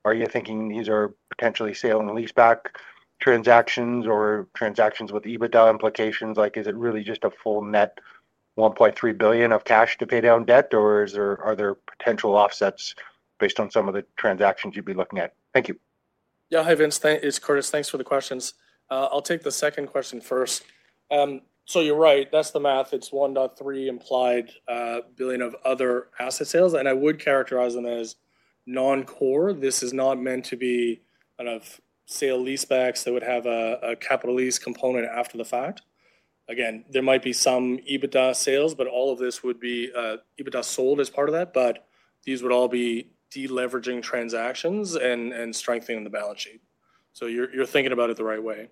are you thinking these are potentially sale and lease-back transactions or transactions with EBITDA implications? Is it really just a full net 1.3 billion of cash to pay down debt, or are there potential offsets based on some of the transactions you'd be looking at? Thank you. Yeah. Hi, Vince. It's Curtis. Thanks for the questions. I'll take the second question first. So you're right. That's the math. It's 1.3 implied billion of other asset sales. And I would characterize them as non-core. This is not meant to be kind of sale lease-backs that would have a capital lease component after the fact. Again, there might be some EBITDA sales, but all of this would be EBITDA sold as part of that. But these would all be deleveraging transactions and strengthening the balance sheet. So you're thinking about it the right way.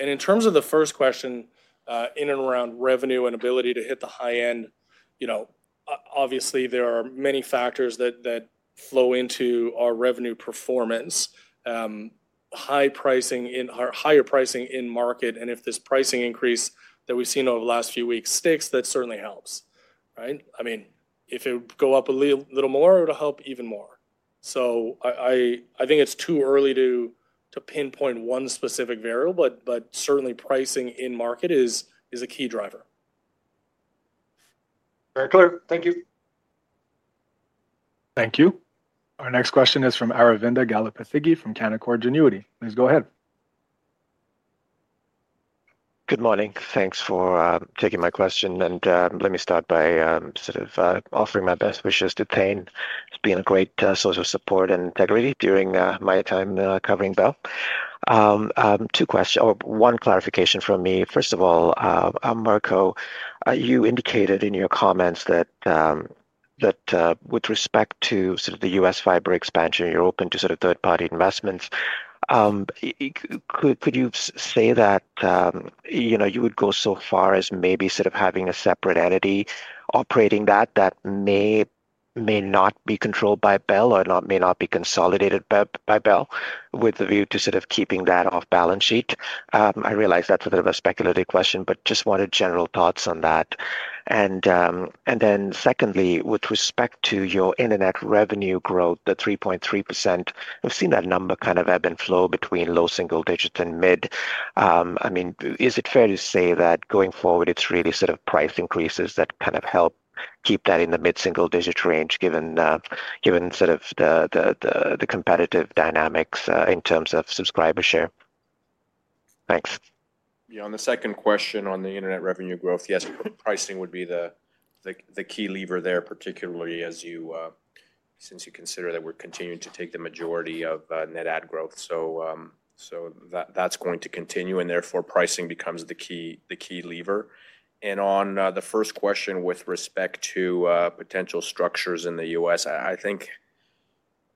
And in terms of the first question, in and around revenue and ability to hit the high end, obviously, there are many factors that flow into our revenue performance. Higher pricing in market, and if this pricing increase that we've seen over the last few weeks sticks, that certainly helps, right? I mean, if it would go up a little more, it would help even more. So I think it's too early to pinpoint one specific variable, but certainly pricing in market is a key driver. Very clear. Thank you. Thank you. Our next question is from Aravinda Galappatthige from Canaccord Genuity. Please go ahead. Good morning. Thanks for taking my question. Let me start by sort of offering my best wishes to Thane for being a great source of support and integrity during my time covering Bell. Two questions or one clarification from me. First of all, Mirko, you indicated in your comments that with respect to sort of the U.S. fiber expansion, you're open to sort of third-party investments. Could you say that you would go so far as maybe sort of having a separate entity operating that that may not be controlled by Bell or may not be consolidated by Bell with a view to sort of keeping that off balance sheet? I realize that's a bit of a speculative question, but just wanted general thoughts on that. And then secondly, with respect to your internet revenue growth, the 3.3%, we've seen that number kind of ebb and flow between low single digits and mid. I mean, is it fair to say that going forward, it's really sort of price increases that kind of help keep that in the mid-single digit range given sort of the competitive dynamics in terms of subscriber share? Thanks. Yeah. On the second question on the internet revenue growth, yes, pricing would be the key lever there, particularly since you consider that we're continuing to take the majority of net add growth. So that's going to continue, and therefore pricing becomes the key lever. And on the first question with respect to potential structures in the U.S., I think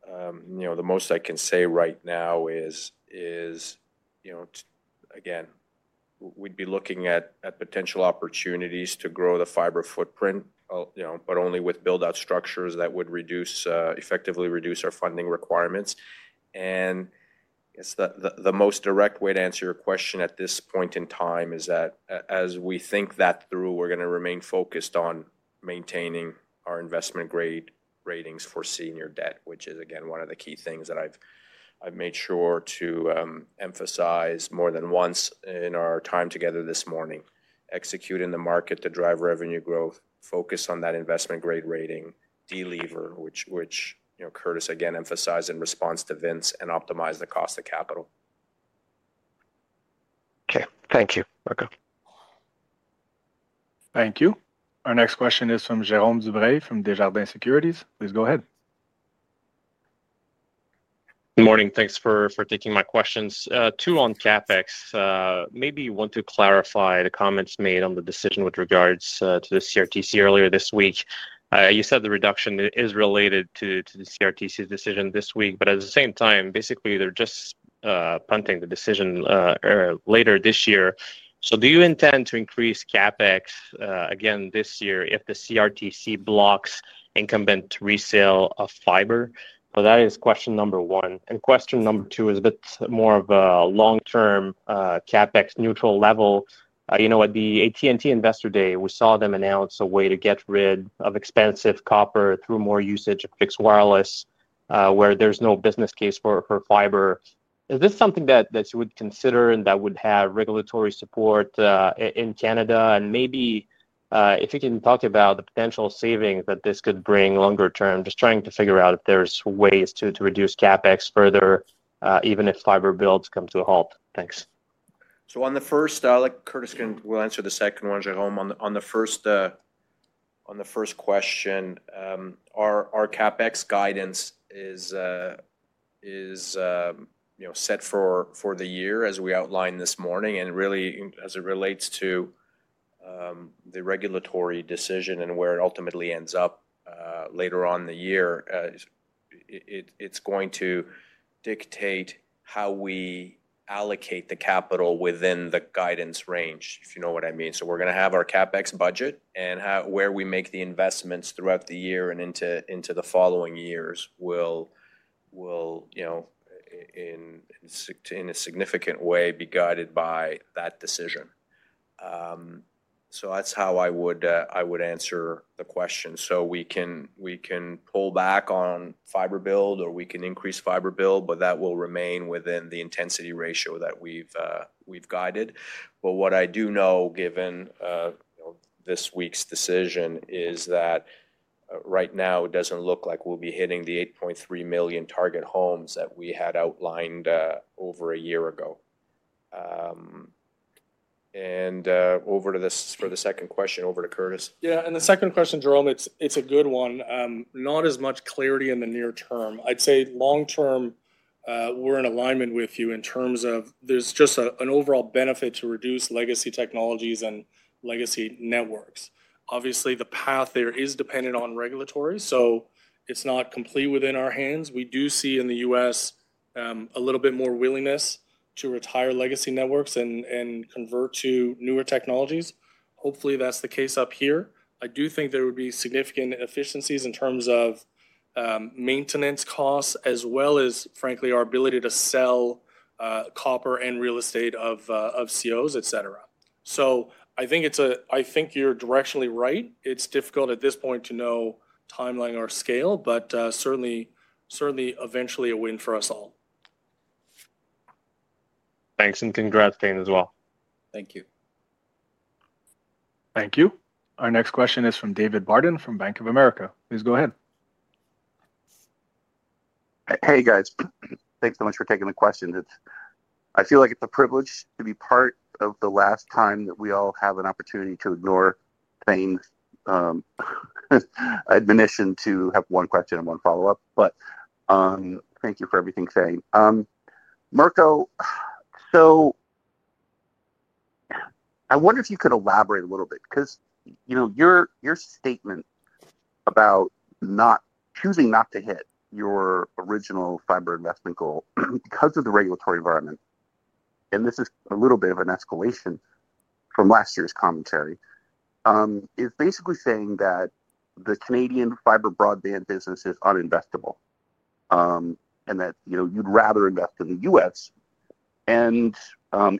the most I can say right now is, again, we'd be looking at potential opportunities to grow the fiber footprint, but only with build-out structures that would effectively reduce our funding requirements. And the most direct way to answer your question at this point in time is that as we think that through, we're going to remain focused on maintaining our investment-grade ratings for senior debt, which is, again, one of the key things that I've made sure to emphasize more than once in our time together this morning. Execute in the market to drive revenue growth, focus on that investment-grade rating, delever, which Curtis, again, emphasized in response to Vince, and optimize the cost of capital. Okay. Thank you, Mirko. Thank you. Our next question is from Jérôme Dubreuil from Desjardins Securities. Please go ahead. Good morning. Thanks for taking my questions. Two on CapEx. Maybe you want to clarify the comments made on the decision with regards to the CRTC earlier this week. You said the reduction is related to the CRTC's decision this week, but at the same time, basically, they're just punting the decision later this year. So do you intend to increase CapEx again this year if the CRTC blocks incumbent resale of fiber? So that is question number one. And question number two is a bit more of a long-term CapEx neutral level. At the AT&T Investor Day, we saw them announce a way to get rid of expensive copper through more usage of fixed wireless where there's no business case for fiber. Is this something that you would consider and that would have regulatory support in Canada? And maybe if you can talk about the potential savings that this could bring longer term, just trying to figure out if there's ways to reduce CapEx further, even if fiber builds come to a halt. Thanks. So on the first, Curtis will answer the second one, Jérôme. On the first question, our CapEx guidance is set for the year as we outlined this morning. And really, as it relates to the regulatory decision and where it ultimately ends up later on in the year, it's going to dictate how we allocate the capital within the guidance range, if you know what I mean. So we're going to have our CapEx budget, and where we make the investments throughout the year and into the following years will, in a significant way, be guided by that decision. So that's how I would answer the question. So we can pull back on fiber build, or we can increase fiber build, but that will remain within the intensity ratio that we've guided. But what I do know, given this week's decision, is that right now, it doesn't look like we'll be hitting the 8.3 million target homes that we had outlined over a year ago. And over to this for the second question, over to Curtis. Yeah. And the second question, Jérôme, it's a good one. Not as much clarity in the near term. I'd say long term, we're in alignment with you in terms of there's just an overall benefit to reduce legacy technologies and legacy networks. Obviously, the path there is dependent on regulatory, so it's not completely within our hands. We do see in the U.S. a little bit more willingness to retire legacy networks and convert to newer technologies. Hopefully, that's the case up here. I do think there would be significant efficiencies in terms of maintenance costs as well as, frankly, our ability to sell copper and real estate of COs, etc. So I think you're directionally right. It's difficult at this point to know timeline or scale, but certainly, eventually, a win for us all. Thanks. And congrats, Thane, as well. Thank you. Thank you. Our next question is from David Barden from Bank of America. Please go ahead. Hey, guys. Thanks so much for taking the question. I feel like it's a privilege to be part of the last time that we all have an opportunity to ignore Thane's admonition to have one question and one follow-up. But thank you for everything, Thane. Mirko, so I wonder if you could elaborate a little bit because your statement about choosing not to hit your original fiber investment goal because of the regulatory environment, and this is a little bit of an escalation from last year's commentary, is basically saying that the Canadian fiber broadband business is uninvestable and that you'd rather invest in the U.S., and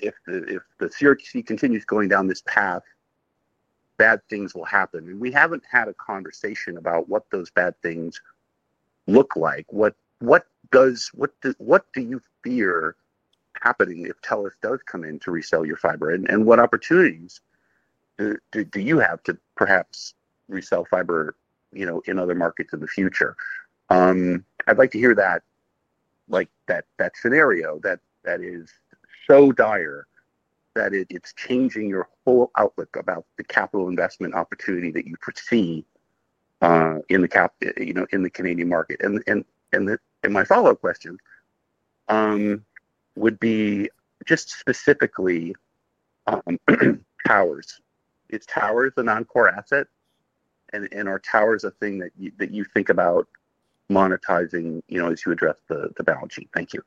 if the CRTC continues going down this path, bad things will happen, and we haven't had a conversation about what those bad things look like. What do you fear happening if TELUS does come in to resell your fiber, and what opportunities do you have to perhaps resell fiber in other markets in the future? I'd like to hear that scenario that is so dire that it's changing your whole outlook about the capital investment opportunity that you foresee in the Canadian market. My follow-up question would be just specifically towers. Is towers a non-core asset? And are towers a thing that you think about monetizing as you address the balance sheet? Thank you.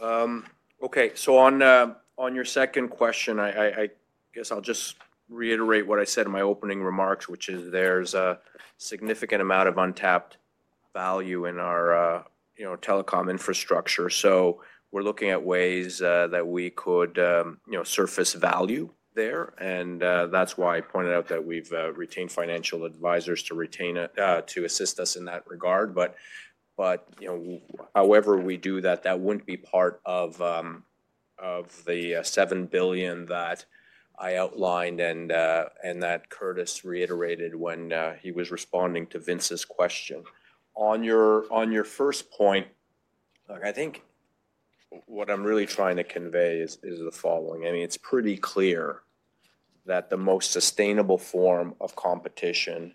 Okay. So on your second question, I guess I'll just reiterate what I said in my opening remarks, which is there's a significant amount of untapped value in our telecom infrastructure. So we're looking at ways that we could surface value there. And that's why I pointed out that we've retained financial advisors to assist us in that regard. But however we do that, that wouldn't be part of the 7 billion that I outlined and that Curtis reiterated when he was responding to Vince's question. On your first point, I think what I'm really trying to convey is the following. I mean, it's pretty clear that the most sustainable form of competition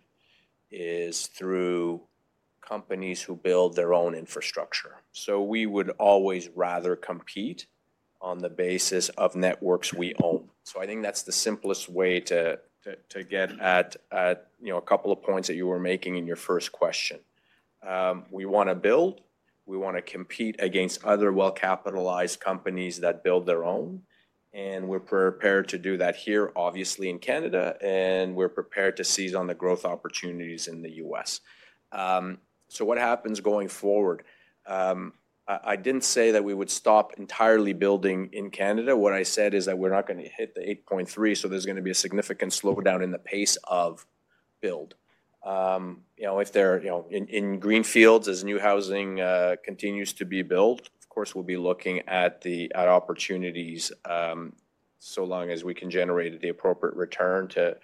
is through companies who build their own infrastructure. So we would always rather compete on the basis of networks we own. So I think that's the simplest way to get at a couple of points that you were making in your first question. We want to build. We want to compete against other well-capitalized companies that build their own. And we're prepared to do that here, obviously, in Canada, and we're prepared to seize on the growth opportunities in the U.S. So what happens going forward? I didn't say that we would stop entirely building in Canada. What I said is that we're not going to hit the 8.3, so there's going to be a significant slowdown in the pace of build. If they're in greenfields as new housing continues to be built, of course, we'll be looking at opportunities so long as we can generate the appropriate return to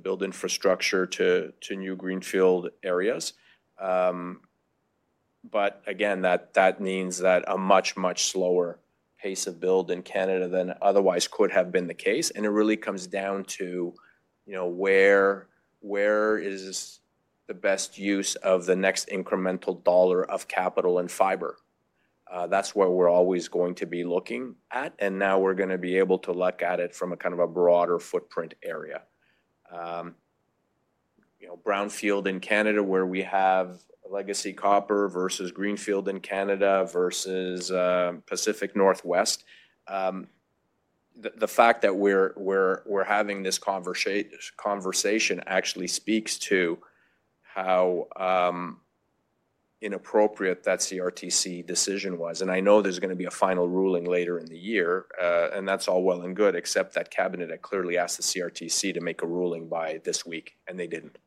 build infrastructure to new greenfield areas, but again, that means that a much, much slower pace of build in Canada than otherwise could have been the case, and it really comes down to where is the best use of the next incremental dollar of capital in fiber. That's where we're always going to be looking at, and now we're going to be able to look at it from a kind of a broader footprint area, brownfield in Canada where we have legacy copper versus greenfield in Canada versus Pacific Northwest. The fact that we're having this conversation actually speaks to how inappropriate that CRTC decision was, and I know there's going to be a final ruling later in the year. And that's all well and good, except that cabinet had clearly asked the CRTC to make a ruling by this week, and they didn't.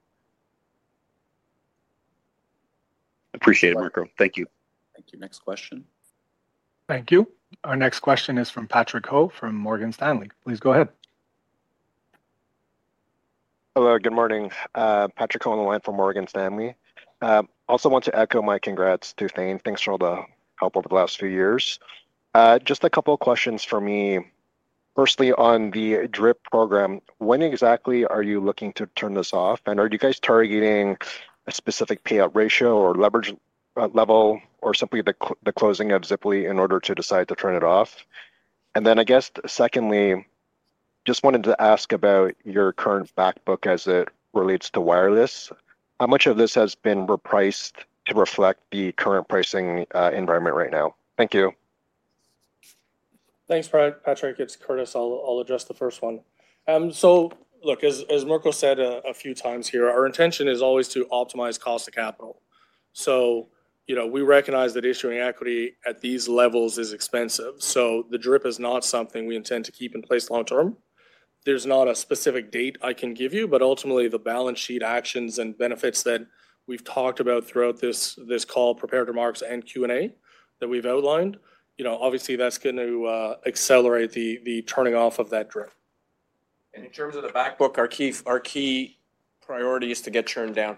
Appreciate it, Mirko. Thank you. Thank you. Next question. Thank you. Our next question is from Patrick Ho from Morgan Stanley. Please go ahead. Hello. Good morning. Patrick Ho on the line from Morgan Stanley. I also want to echo my congrats to Thane. Thanks for all the help over the last few years. Just a couple of questions for me. Firstly, on the DRIP program, when exactly are you looking to turn this off? And are you guys targeting a specific payout ratio or leverage level or simply the closing of Ziply in order to decide to turn it off? And then I guess, secondly, just wanted to ask about your current backbook as it relates to wireless. How much of this has been repriced to reflect the current pricing environment right now? Thank you. Thanks, Patrick. It's Curtis. I'll address the first one. So look, as Mirko said a few times here, our intention is always to optimize cost of capital. So we recognize that issuing equity at these levels is expensive. So the DRIP is not something we intend to keep in place long term. There's not a specific date I can give you, but ultimately, the balance sheet actions and benefits that we've talked about throughout this call, prepared remarks, and Q&A that we've outlined, obviously, that's going to accelerate the turning off of that DRIP. And in terms of the backbook, our key priority is to get churned down.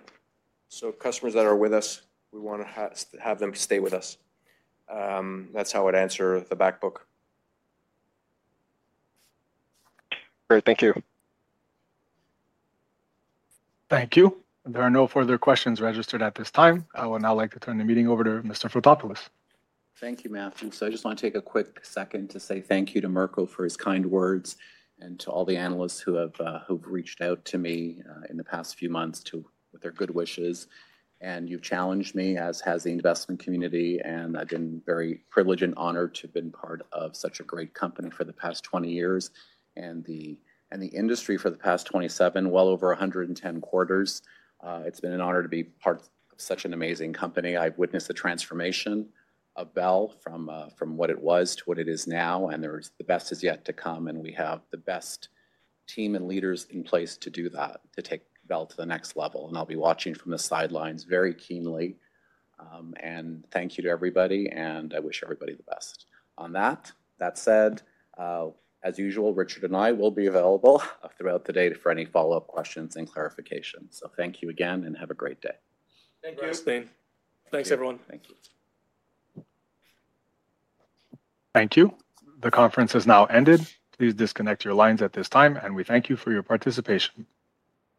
So customers that are with us, we want to have them stay with us. That's how I'd answer the backbook. Great. Thank you. Thank you. There are no further questions registered at this time. I would now like to turn the meeting over to Mr. Fotopoulos. Thank you, Matthew. So I just want to take a quick second to say thank you to Mirko for his kind words and to all the analysts who have reached out to me in the past few months with their good wishes. And you've challenged me, as has the investment community. And I've been very privileged and honored to have been part of such a great company for the past 20 years and the industry for the past 27, well over 110 quarters. It's been an honor to be part of such an amazing company. I've witnessed the transformation of Bell from what it was to what it is now. And the best is yet to come. And we have the best team and leaders in place to do that, to take Bell to the next level. And I'll be watching from the sidelines very keenly. And thank you to everybody. And I wish everybody the best. On that, that said, as usual, Richard and I will be available throughout the day for any follow-up questions and clarifications. So thank you again and have a great day. Thank you. Thanks, Thane. Thanks, everyone. Thank you. Thank you. The conference has now ended. Please disconnect your lines at this time, and we thank you for your participation.